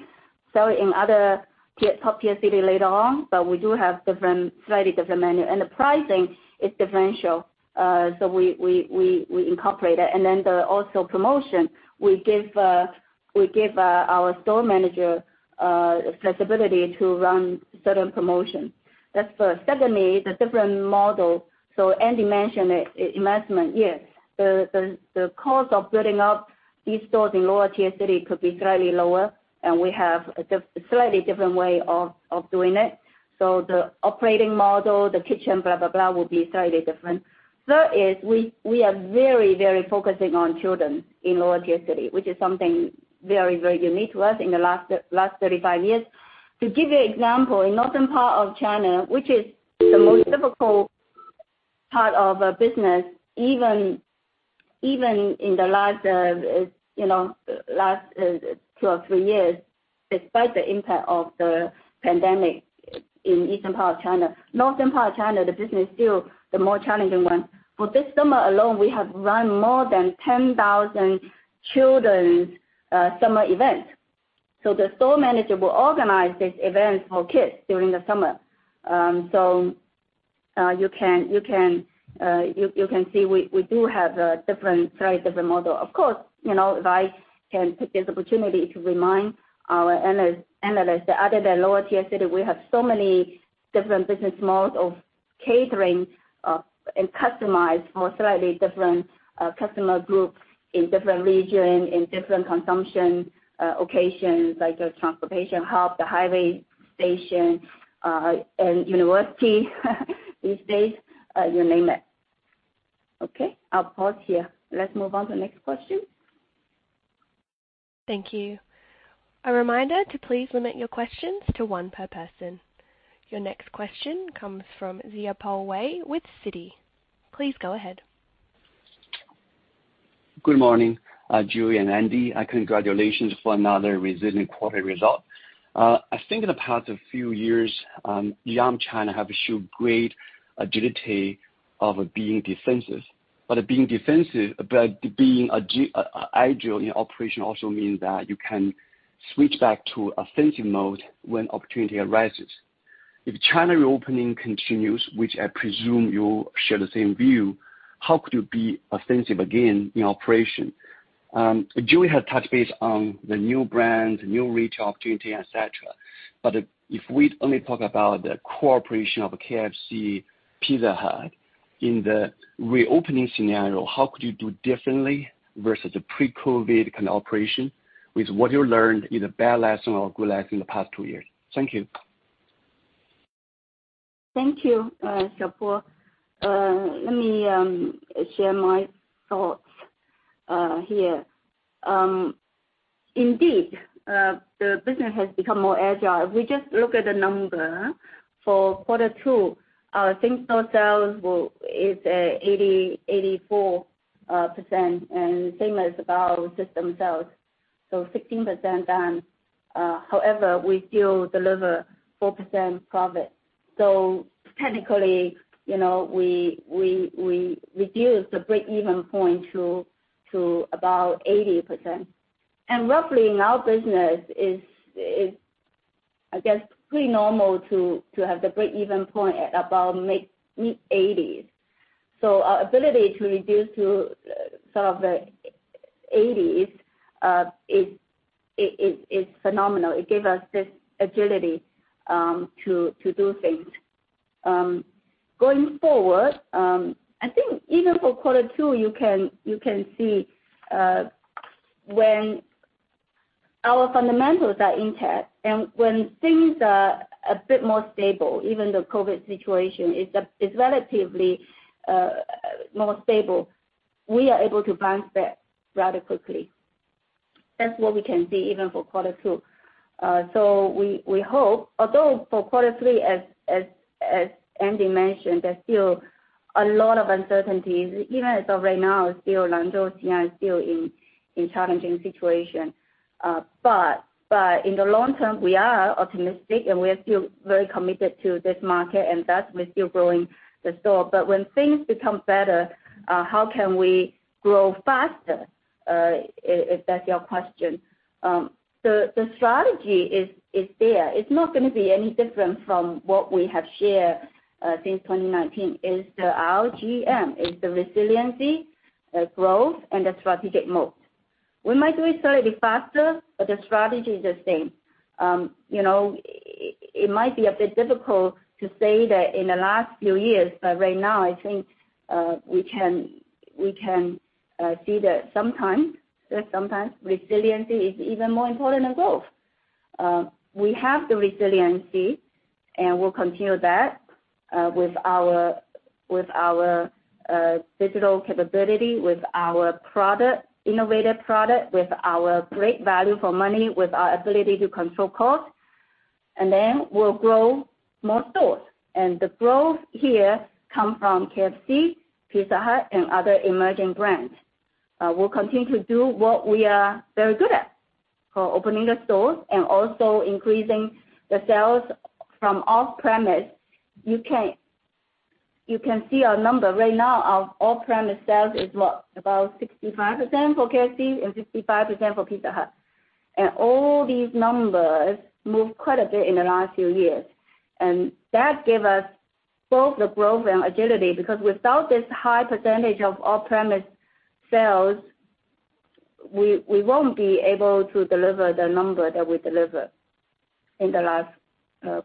Speaker 3: sell in other tier, top tier city later on, but we do have different, slightly different menu. The pricing is differential. So we incorporate that. Then also promotion. We give our store manager flexibility to run certain promotions. That's first. Secondly, the different model. So Andy mentioned it, investment. Yes. The cost of building up these stores in lower tier city could be slightly lower, and we have a slightly different way of doing it. The operating model, the kitchen, blah, blah, will be slightly different. Third is we are very focusing on children in lower tier city, which is something very unique to us in the last 35 years. To give you example, in northern part of China, which is the most difficult part of a business, even in the last, you know, two or three years, despite the impact of the pandemic in eastern part of China. Northern part of China, the business is still the more challenging one. For this summer alone, we have run more than 10,000 children's summer event. The store manager will organize these events for kids during the summer. You can see we do have a different, slightly different model. Of course, you know, if I can take this opportunity to remind our analysts that other than lower tier city, we have so many different business models of catering, and customized for slightly different customer groups in different region, in different consumption occasions, like the transportation hub, the highway station, and university these days, you name it. Okay, I'll pause here. Let's move on to next question.
Speaker 1: Thank you. A reminder to please limit your questions to one per person. Your next question comes from Xiaopo Wei with Citi. Please go ahead.
Speaker 8: Good morning, Joey and Andy. Congratulations for another resilient quarter result. I think in the past few years, Yum China have showed great agility of being defensive. Being defensive, being agile in operation also means that you can switch back to offensive mode when opportunity arises. If China reopening continues, which I presume you share the same view, how could you be offensive again in operation? Joey had touched base on the new brand, new retail opportunity, et cetera. If we only talk about the operations of KFC, Pizza Hut in the reopening scenario, how could you do differently versus a pre-COVID kind of operation with what you learned, either bad lesson or good lesson in the past two years? Thank you.
Speaker 3: Thank you, Xiaopo Wei. Let me share my thoughts here. Indeed, the business has become more agile. We just look at the number for quarter two. Our same-store sales is 84% and system sales, so 16% down. However, we still deliver 4% profit. Technically, you know, we reduced the break-even point to about 80%. Roughly in our business is, I guess, pretty normal to have the break-even point at about mid-eighties. Our ability to reduce to sort of the eighties is phenomenal. It gave us this agility to do things. Going forward, I think even for quarter two, you can see when our fundamentals are intact and when things are a bit more stable, even the COVID situation is relatively more stable, we are able to bounce back rather quickly. That's what we can see even for quarter two. We hope. Although for quarter three, as Andy mentioned, there's still a lot of uncertainties, even as of right now, still Guangzhou, Xi'an is still in challenging situation. In the long term, we are optimistic, and we are still very committed to this market, and thus we're still growing the store. When things become better, how can we grow faster? If that's your question. The strategy is there. It's not gonna be any different from what we have shared since 2019. It's the RGM. It's the resiliency, the growth and the strategic mode. We might do it slightly faster, but the strategy is the same. You know, it might be a bit difficult to say that in the last few years, but right now I think we can see that sometimes, just sometimes resiliency is even more important than growth. We have the resiliency, and we'll continue that with our digital capability, with our innovative product, with our great value for money, with our ability to control cost. We'll grow more stores. The growth here come from KFC, Pizza Hut and other emerging brands. We'll continue to do what we are very good at for opening the stores and also increasing the sales from off-premise. You can see our number right now. Our off-premise sales is what? About 65% for KFC and 65% for Pizza Hut. All these numbers moved quite a bit in the last few years. That gave us both the growth and agility, because without this high percentage of off-premise sales, we won't be able to deliver the number that we delivered in the last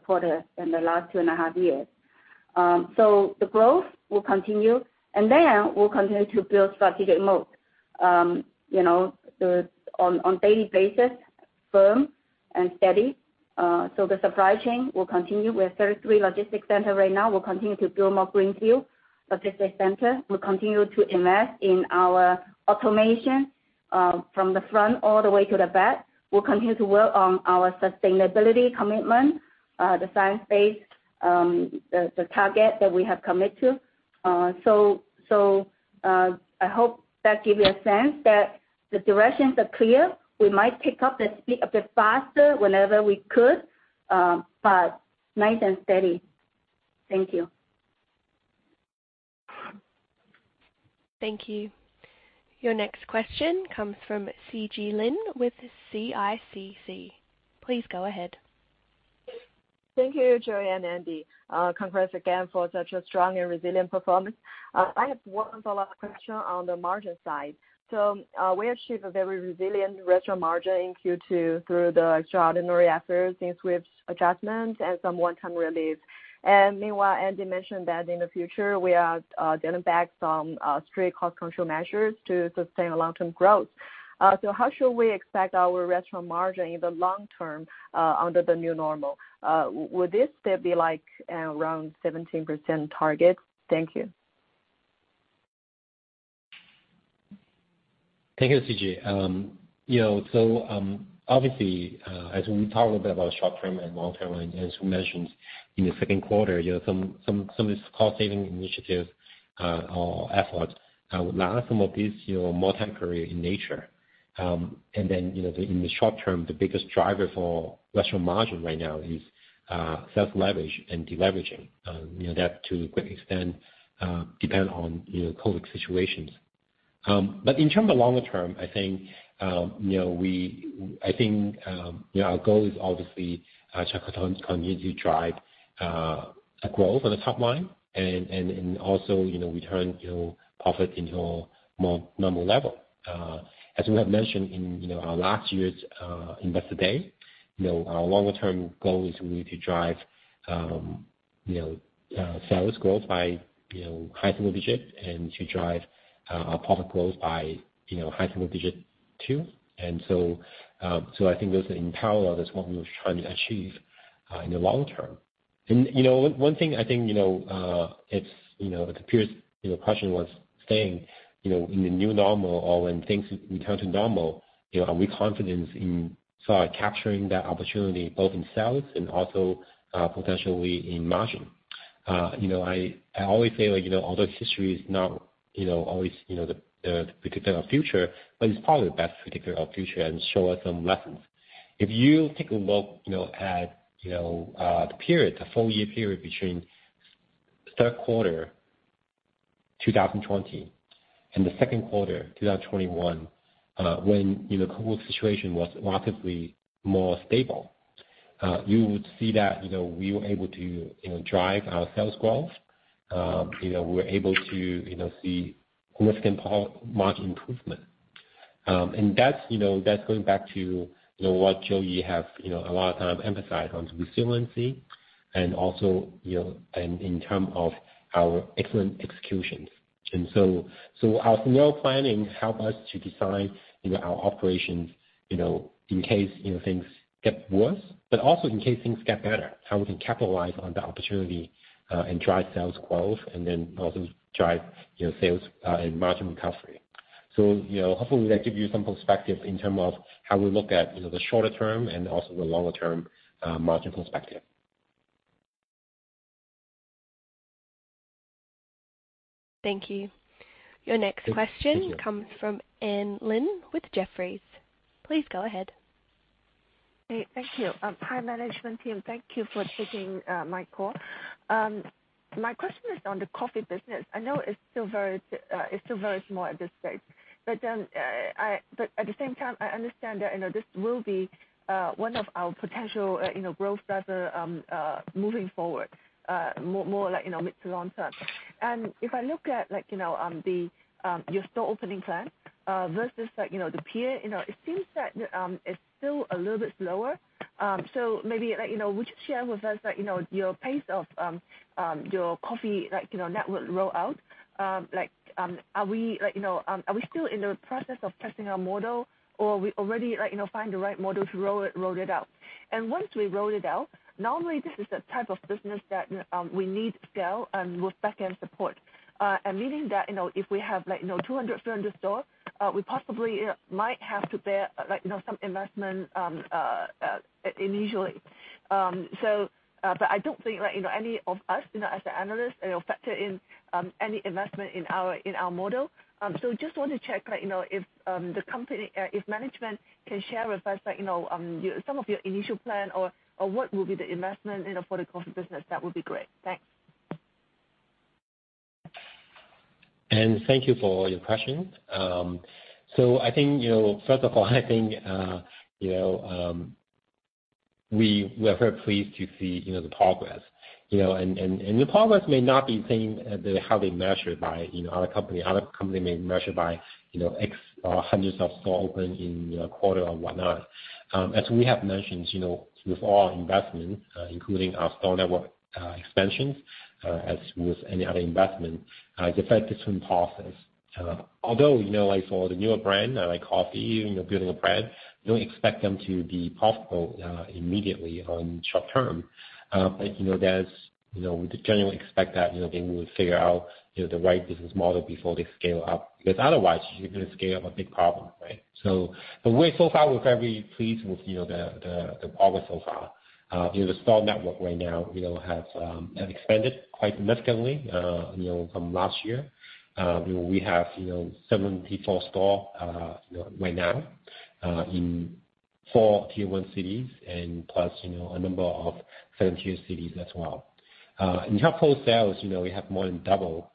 Speaker 3: quarter, in the last 2.5 years. The growth will continue, and then we'll continue to build strategic moat on a daily basis, firm and steady. The supply chain will continue. We have 33 logistics centers right now. We'll continue to build more greenfield logistics centers. We'll continue to invest in our automation from the front all the way to the back. We'll continue to work on our sustainability commitment, the science-based target that we have committed to. I hope that give you a sense that the directions are clear. We might pick up the speed a bit faster whenever we could, but nice and steady. Thank you.
Speaker 1: Thank you. Your next question comes from Sijie Lin with CICC. Please go ahead.
Speaker 9: Thank you, Joey and Andy. Congrats again for such a strong and resilient performance. I have one follow-up question on the margin side. We achieved a very resilient restaurant margin in Q2 through the extraordinary efforts with some adjustments and some one-time relief. Meanwhile, Andy mentioned that in the future we are getting back to some strict cost control measures to sustain long-term growth. How should we expect our restaurant margin in the long term under the new normal? Would this still be like around 17% target? Thank you.
Speaker 4: Thank you, Sijie Lin. Obviously, as we talked a bit about short term and long term, and as you mentioned in the second quarter, you know, some of these cost saving initiatives or efforts like some of these, you know, more temporary in nature. In the short term, the biggest driver for restaurant margin right now is sales leverage and deleveraging, you know, that to a great extent depend on COVID situations. In terms of longer term, I think, you know, our goal is obviously K-Coffee continues to drive a growth on the top line and also, you know, return, you know, profit into a more normal level. As we have mentioned in, you know, our last year's Investor Day, you know, our longer term goal is we need to drive, you know, sales growth by, you know, high single digits and to drive our profit growth by, you know, high single digits too. I think those in parallel is what we were trying to achieve in the long term. One thing I think, you know, it appears the question was saying, you know, in the new normal or when things return to normal, you know, are we confident in start capturing that opportunity both in sales and also potentially in margin? You know, I always say, like, you know, although history is not, you know, always, you know, the predictor of future, but it's probably the best predictor of future and show us some lessons. If you take a look, you know, at, you know, the period, the full year period between third quarter 2020 and the second quarter 2021, when, you know, COVID situation was markedly more stable, you would see that, you know, we were able to, you know, drive our sales growth. You know, we were able to, you know, see significant margin improvement. That's going back to, you know, what Joey have, you know, a lot of time emphasized on resiliency and also, you know, and in terms of our excellent executions. Our scenario planning help us to decide, you know, our operations, you know, in case, you know, things get worse, but also in case things get better, how we can capitalize on the opportunity, and drive sales growth and then also drive, you know, sales, and margin recovery. You know, hopefully that give you some perspective in terms of how we look at, you know, the shorter term and also the longer term, margin perspective.
Speaker 1: Thank you. Your next question-
Speaker 4: Thank you.
Speaker 1: comes from Anne Ling with Jefferies. Please go ahead.
Speaker 10: Hey, thank you. Hi, management team. Thank you for taking my call. My question is on the coffee business. I know it's still very small at this stage, at the same time, I understand that, you know, this will be one of our potential, you know, growth driver moving forward, more like, you know, mid to long term. If I look at like, you know, your store opening plan versus like, you know, the peer, you know, it seems that it's still a little bit slower. Maybe like, you know, would you share with us like, you know, your pace of your coffee like, you know, net roll out? Like, are we still in the process of testing our model or we already like, you know, find the right model to roll it out? Once we roll it out, normally this is the type of business that we need scale and with backend support. Meaning that, you know, if we have like, you know, 200, 300 stores, we possibly might have to bear like, you know, some investment initially. I don't think like, you know, any of us, you know, as an analyst, you know, factor in any investment in our model. Just want to check like, you know, if management can share with us like, you know, some of your initial plan or what will be the investment, you know, for the coffee business, that would be great. Thanks.
Speaker 4: Anne, thank you for your question. I think, you know, first of all, I think we are very pleased to see, you know, the progress. The progress may not be seen as how they measured by, you know, other company. Other company may measure by, you know, X or hundreds of store open in a quarter or whatnot. As we have mentioned, you know, with all investment, including our store network expansions, as with any other investment, the fact it's in process. Although, you know, like for the newer brand, like coffee, you know, building a brand, don't expect them to be profitable immediately in short term. You know, there's, you know, we generally expect that, you know, they will figure out, you know, the right business model before they scale up. Because otherwise you're gonna scale up a big problem, right? We're very pleased so far with, you know, the progress so far. You know, the store network right now, you know, has expanded quite significantly, you know, from last year. You know, we have, you know, 74 stores right now in 4 tier-one cities and plus, you know, a number of second-tier cities as well. In terms of sales, you know, we have more than double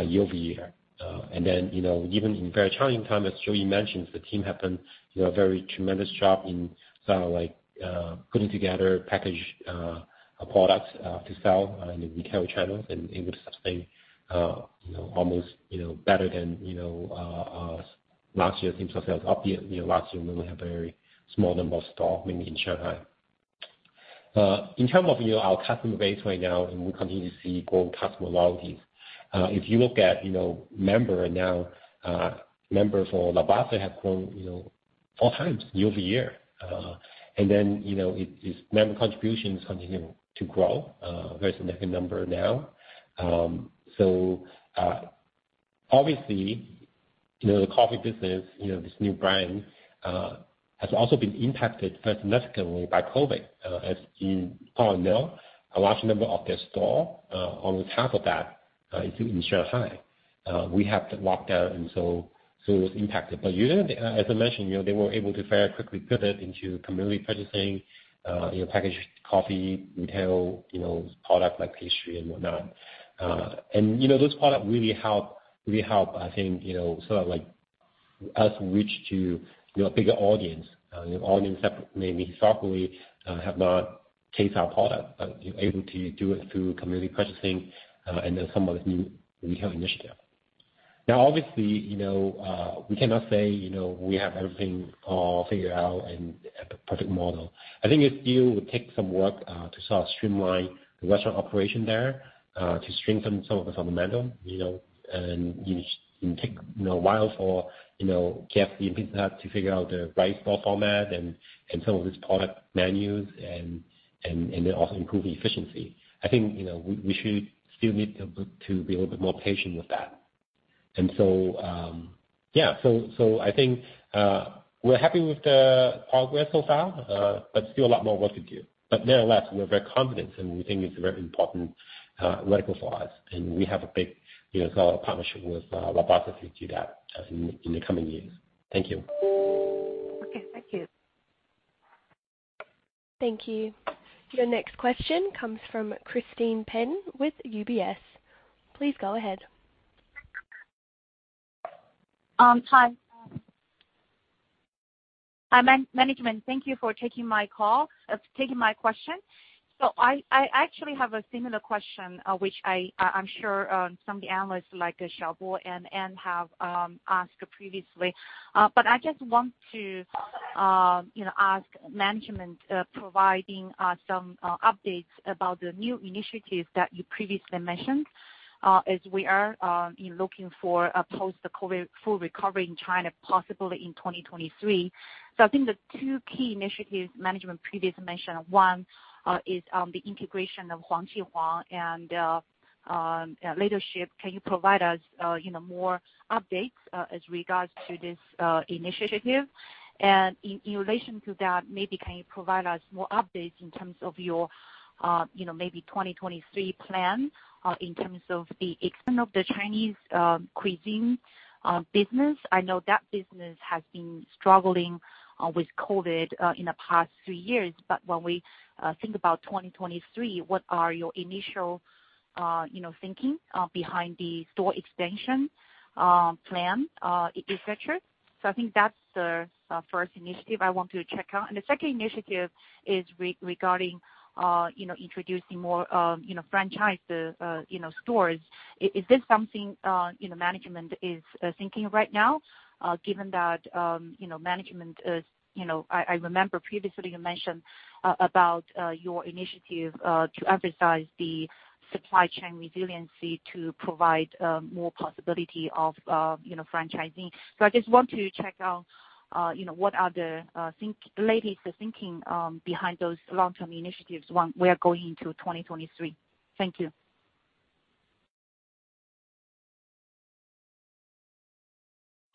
Speaker 4: year-over-year. You know, even in very challenging time, as Joey mentioned, the team have done, you know, a very tremendous job in sort of like putting together package products to sell in retail channels and able to sustain, you know, almost better than last year in terms of sales. Obviously, last year we only have very small number of store mainly in Shanghai. In term of our customer base right now, and we continue to see growing customer loyalty. If you look at member now, member for Lavazza have grown 4 times year-over-year. You know, its member contributions continue to grow very significant number now. Obviously, you know, the coffee business, you know, this new brand has also been impacted quite significantly by COVID. As you probably know, a large number of their stores on top of that is in Shanghai. We have to lock down and it was impacted. But as I mentioned, you know, they were able to very quickly pivot into community purchasing, you know, packaged coffee, retail, you know, products like pastry and whatnot. And, you know, those products really help, I think, you know, sort of like us reach to, you know, a bigger audience, new audience that maybe historically have not taste our product able to do it through community purchasing, and then some of the new retail initiative. Now, obviously, you know, we cannot say, you know, we have everything all figured out and a perfect model. I think it still would take some work to sort of streamline the restaurant operation there to strengthen some of the fundamental, you know. It take, you know, a while for, you know, Pizza Hut café to figure out the right store format and some of these product menus and then also improve efficiency. I think, you know, we should still need to be a little bit more patient with that. I think, we're happy with the progress so far, but still a lot more work to do. Nevertheless, we're very confident, and we think it's very important, vertical for us, and we have a big, you know, sort of partnership with, Lavazza to do that, in the coming years. Thank you.
Speaker 10: Okay, thank you. Thank you. Your next question comes from Christine Peng with UBS. Please go ahead.
Speaker 11: Hi. Hi, management. Thank you for taking my call, taking my question. I actually have a similar question, which I'm sure some of the analysts like Xiaopo Wei and Anne Ling have asked previously. I just want to, you know, ask management providing some updates about the new initiatives that you previously mentioned, as we are looking for a post-COVID full recovery in China, possibly in 2023. I think the two key initiatives management previously mentioned, one is the integration of Huang Ji Huang and Little Sheep. Can you provide us, you know, more updates as regards to this initiative? In relation to that, maybe can you provide us more updates in terms of your, you know, maybe 2023 plan, in terms of the extent of the Chinese cuisine business? I know that business has been struggling with COVID in the past three years. When we think about 2023, what are your initial thinking behind the store expansion plan, et cetera? I think that's the first initiative I want to check on. The second initiative is regarding you know, introducing more you know, franchise you know, stores. Is this something you know, management is thinking right now, given that you know, management is, you know... I remember previously you mentioned about your initiative to emphasize the supply chain resiliency to provide more possibility of, you know, franchising. I just want to check out, you know, what are the latest thinking behind those long-term initiatives when we are going into 2023. Thank you.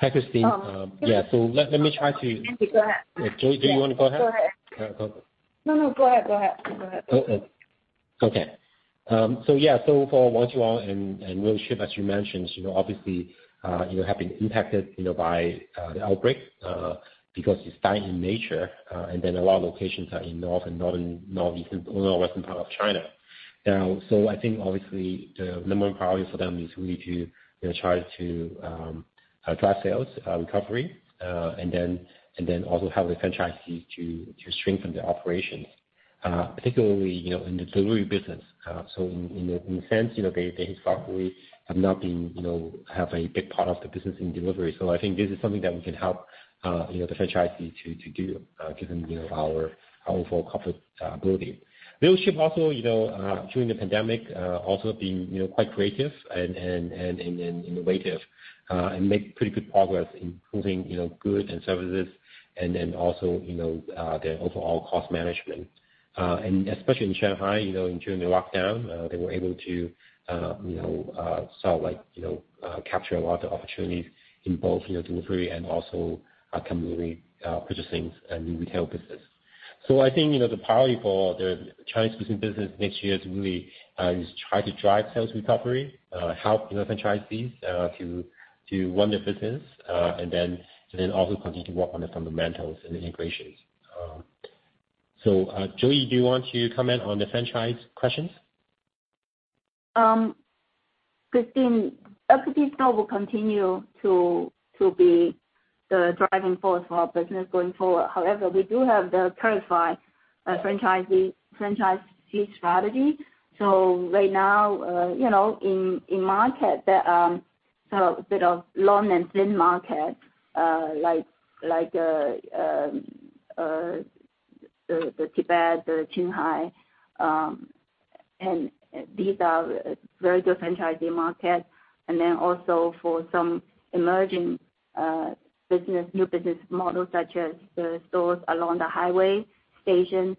Speaker 4: Hi, Christine.
Speaker 11: Oh.
Speaker 4: Let me try to.
Speaker 11: Go ahead.
Speaker 4: Joey, do you wanna go ahead?
Speaker 11: Yes. Go ahead.
Speaker 4: Okay.
Speaker 11: No, go ahead.
Speaker 4: Yeah, for Huang Ji Huang and Little Sheep, as you mentioned, you know, obviously, you have been impacted, you know, by the outbreak, because it's dine-in nature, and a lot of locations are in northern, northeastern, or northwestern part of China. I think obviously the number one priority for them is really to, you know, try to drive sales recovery, and then also have the franchisees to strengthen the operations, particularly, you know, in the delivery business. In a sense, you know, they historically have not been, you know, a big part of the business in delivery. I think this is something that we can help you know the franchisee to do given you know our overall comfortability. Little Sheep also you know during the pandemic also being you know quite creative and innovative and make pretty good progress in improving you know goods and services and then also you know their overall cost management. Especially in Shanghai you know during the lockdown they were able to you know sell like you know capture a lot of opportunities in both you know delivery and also community purchasing and retail business. I think, you know, the priority for the Chinese cuisine business next year is really to try to drive sales recovery, help, you know, franchisees to run their business, and then also continue to work on the fundamentals and integrations. Joey, do you want to comment on the franchise questions?
Speaker 3: Christine, Pizza Hut will continue to be the driving force for our business going forward. However, we do have the targeted franchise strategy. So right now, you know, in markets that are a bit long and thin, like Tibet, Qinghai, and these are very good franchise markets. Then also for some emerging new business models such as the stores along the highway stations,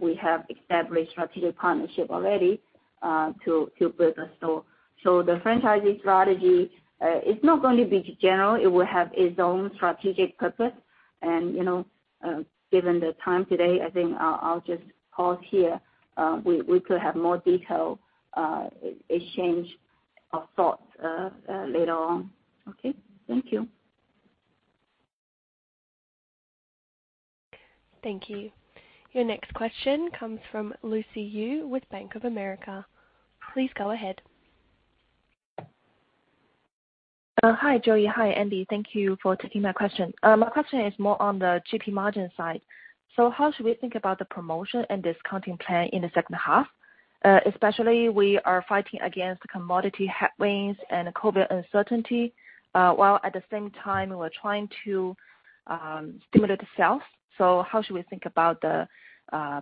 Speaker 3: we have established strategic partnerships already to build stores. So the franchising strategy, it's not going to be general. It will have its own strategic purpose. You know, given the time today, I think I'll just pause here. We could have more detailed exchange of thoughts later on. Okay. Thank you.
Speaker 1: Thank you. Your next question comes from Lucy Yu with Bank of America. Please go ahead.
Speaker 12: Hi, Joey. Hi, Andy. Thank you for taking my question. My question is more on the GP margin side. How should we think about the promotion and discounting plan in the second half? Especially we are fighting against commodity headwinds and COVID uncertainty, while at the same time we're trying to stimulate the sales. How should we think about the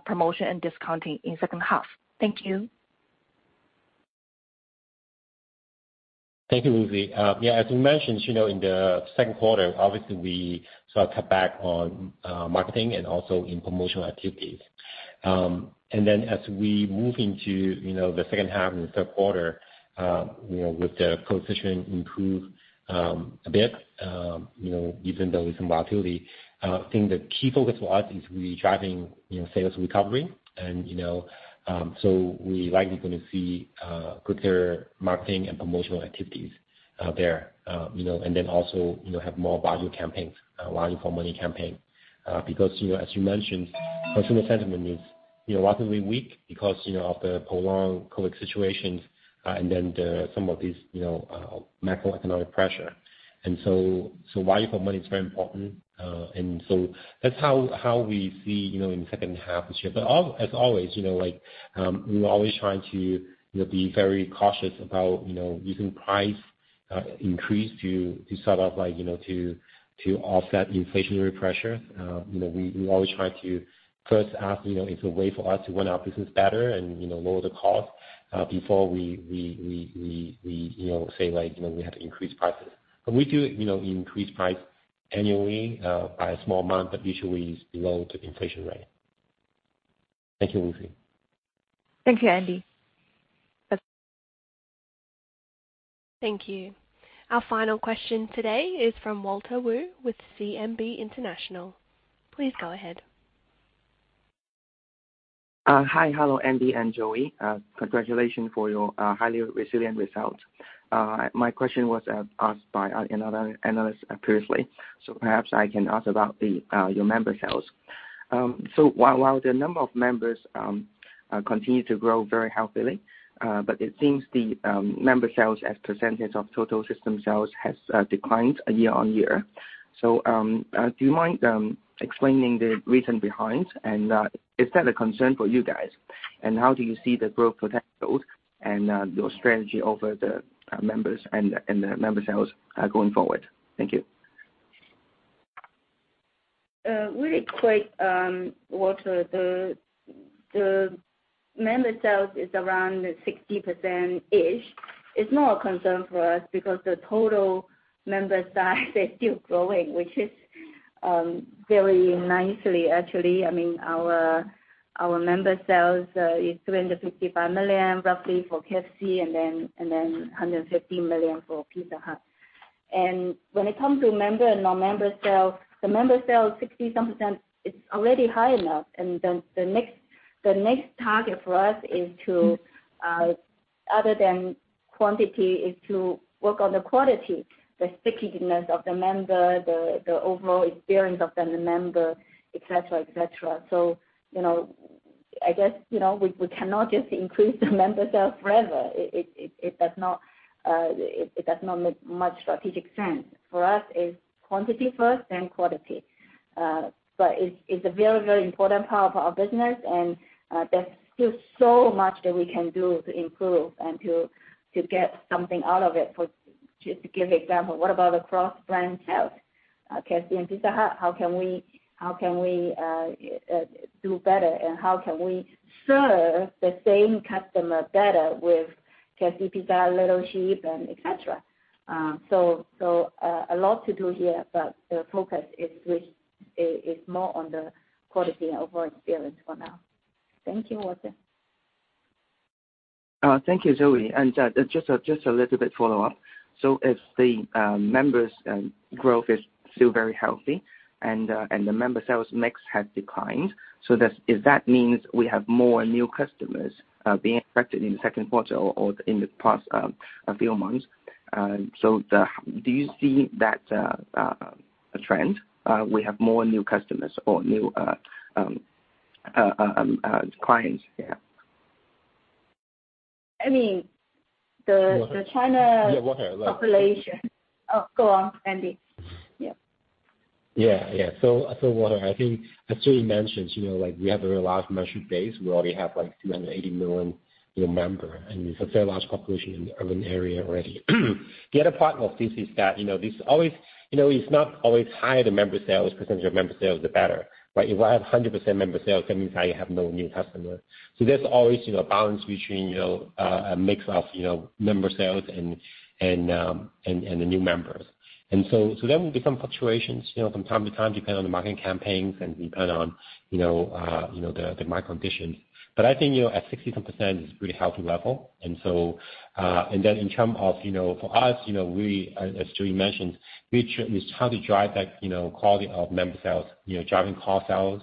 Speaker 12: promotion and discounting in second half? Thank you.
Speaker 4: Thank you, Lucy. Yeah, as we mentioned, you know, in the second quarter, obviously we sort of cut back on marketing and also in promotional activities. As we move into, you know, the second half and the third quarter, you know, with the COVID situation improved, a bit, you know, even though there's some volatility, I think the key focus for us is really driving, you know, sales recovery. We likely gonna see, quicker marketing and promotional activities, there. You know, and then also, you know, have more value campaigns, value for money campaign, because, you know, as you mentioned, consumer sentiment is, you know, relatively weak because, you know, of the prolonged COVID situations, and then the, some of these, you know, macroeconomic pressure. Value for money is very important. That's how we see, you know, in the second half this year. As always, you know, like, we're always trying to, you know, be very cautious about, you know, using price increase to sort of like, you know, to offset inflationary pressure. You know, we always try to first ask, you know, it's a way for us to run our business better and, you know, lower the cost, before we, you know, say like, you know, we have to increase prices. We do, you know, increase price annually, by a small amount that usually is below the inflation rate. Thank you, Lucy.
Speaker 12: Thank you, Andy.
Speaker 1: Thank you. Our final question today is from Walter Wu with CMB International. Please go ahead.
Speaker 13: Hi. Hello, Andy and Joey. Congratulations for your highly resilient results. My question was asked by another analyst previously, so perhaps I can ask about your member sales. While the number of members continue to grow very healthily, but it seems the member sales as percentage of total system sales has declined year on year. Do you mind explaining the reason behind? Is that a concern for you guys? How do you see the growth potential and your strategy over the members and the member sales going forward? Thank you.
Speaker 3: Really quick, Walter Wu. The member sales is around 60%. It's not a concern for us because the total member size is still growing, which is very nicely actually. I mean, our member sales is $355 million roughly for KFC, and then $150 million for Pizza Hut. When it comes to member and non-member sales, the member sales, 60% is already high enough. The next target for us is, other than quantity, to work on the quality, the stickiness of the member, the overall experience of the member, et cetera, et cetera. You know, I guess, you know, we cannot just increase the member sales forever. It does not make much strategic sense. For us is quantity first, then quality. It's a very, very important part of our business and there's still so much that we can do to improve and to get something out of it. Just to give example, what about the cross-brand sales, KFC and Pizza Hut? How can we do better and how can we serve the same customer better with KFC, Pizza Hut, Little Sheep and et cetera? A lot to do here, but the focus is more on the quality and overall experience for now. Thank you, Walter.
Speaker 13: Thank you, Joey. Just a little bit follow-up. If the members growth is still very healthy and the member sales mix has declined, does that mean we have more new customers being affected in the second quarter or in the past few months. Do you see that trend we have more new customers or new clients? Yeah.
Speaker 3: I mean.
Speaker 4: Walter.
Speaker 3: The China-
Speaker 4: Yeah, Walter
Speaker 3: population. Oh, go on, Andy. Yeah.
Speaker 4: Yeah, yeah. Walter, I think as Joey mentioned, you know, like we have a very large member base. We already have like 280 million new members, and it's a very large population in urban areas already. The other part of this is that, you know, this always, you know, it's not always higher the member sales percentage the better, right? If I have 100% member sales, that means I have no new customers. There's always, you know, a balance between, you know, a mix of, you know, member sales and the new members. There will be some fluctuations, you know, from time to time, depending on the marketing campaigns and depending on, you know, the market conditions. I think, you know, at 60-some% is a really healthy level. In terms of, you know, for us, you know, as Joey mentioned, we try to drive that, you know, quality of member sales, you know, driving core sales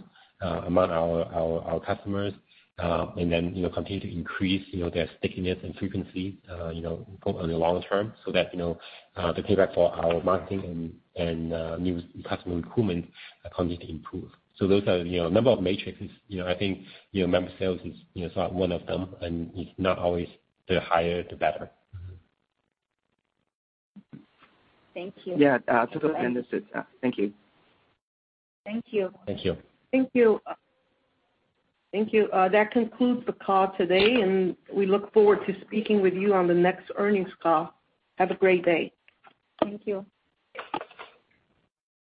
Speaker 4: among our customers, and then continue to increase their stickiness and frequency over the long term so that the payback for our marketing and new customer recruitment continue to improve. Those are, you know, a number of metrics. You know, I think, you know, member sales is, you know, one of them, and it's not always the higher the better.
Speaker 13: Thank you. Yeah. To that end, that's it. Thank you.
Speaker 3: Thank you.
Speaker 4: Thank you.
Speaker 2: Thank you. That concludes the call today, and we look forward to speaking with you on the next earnings call. Have a great day.
Speaker 3: Thank you.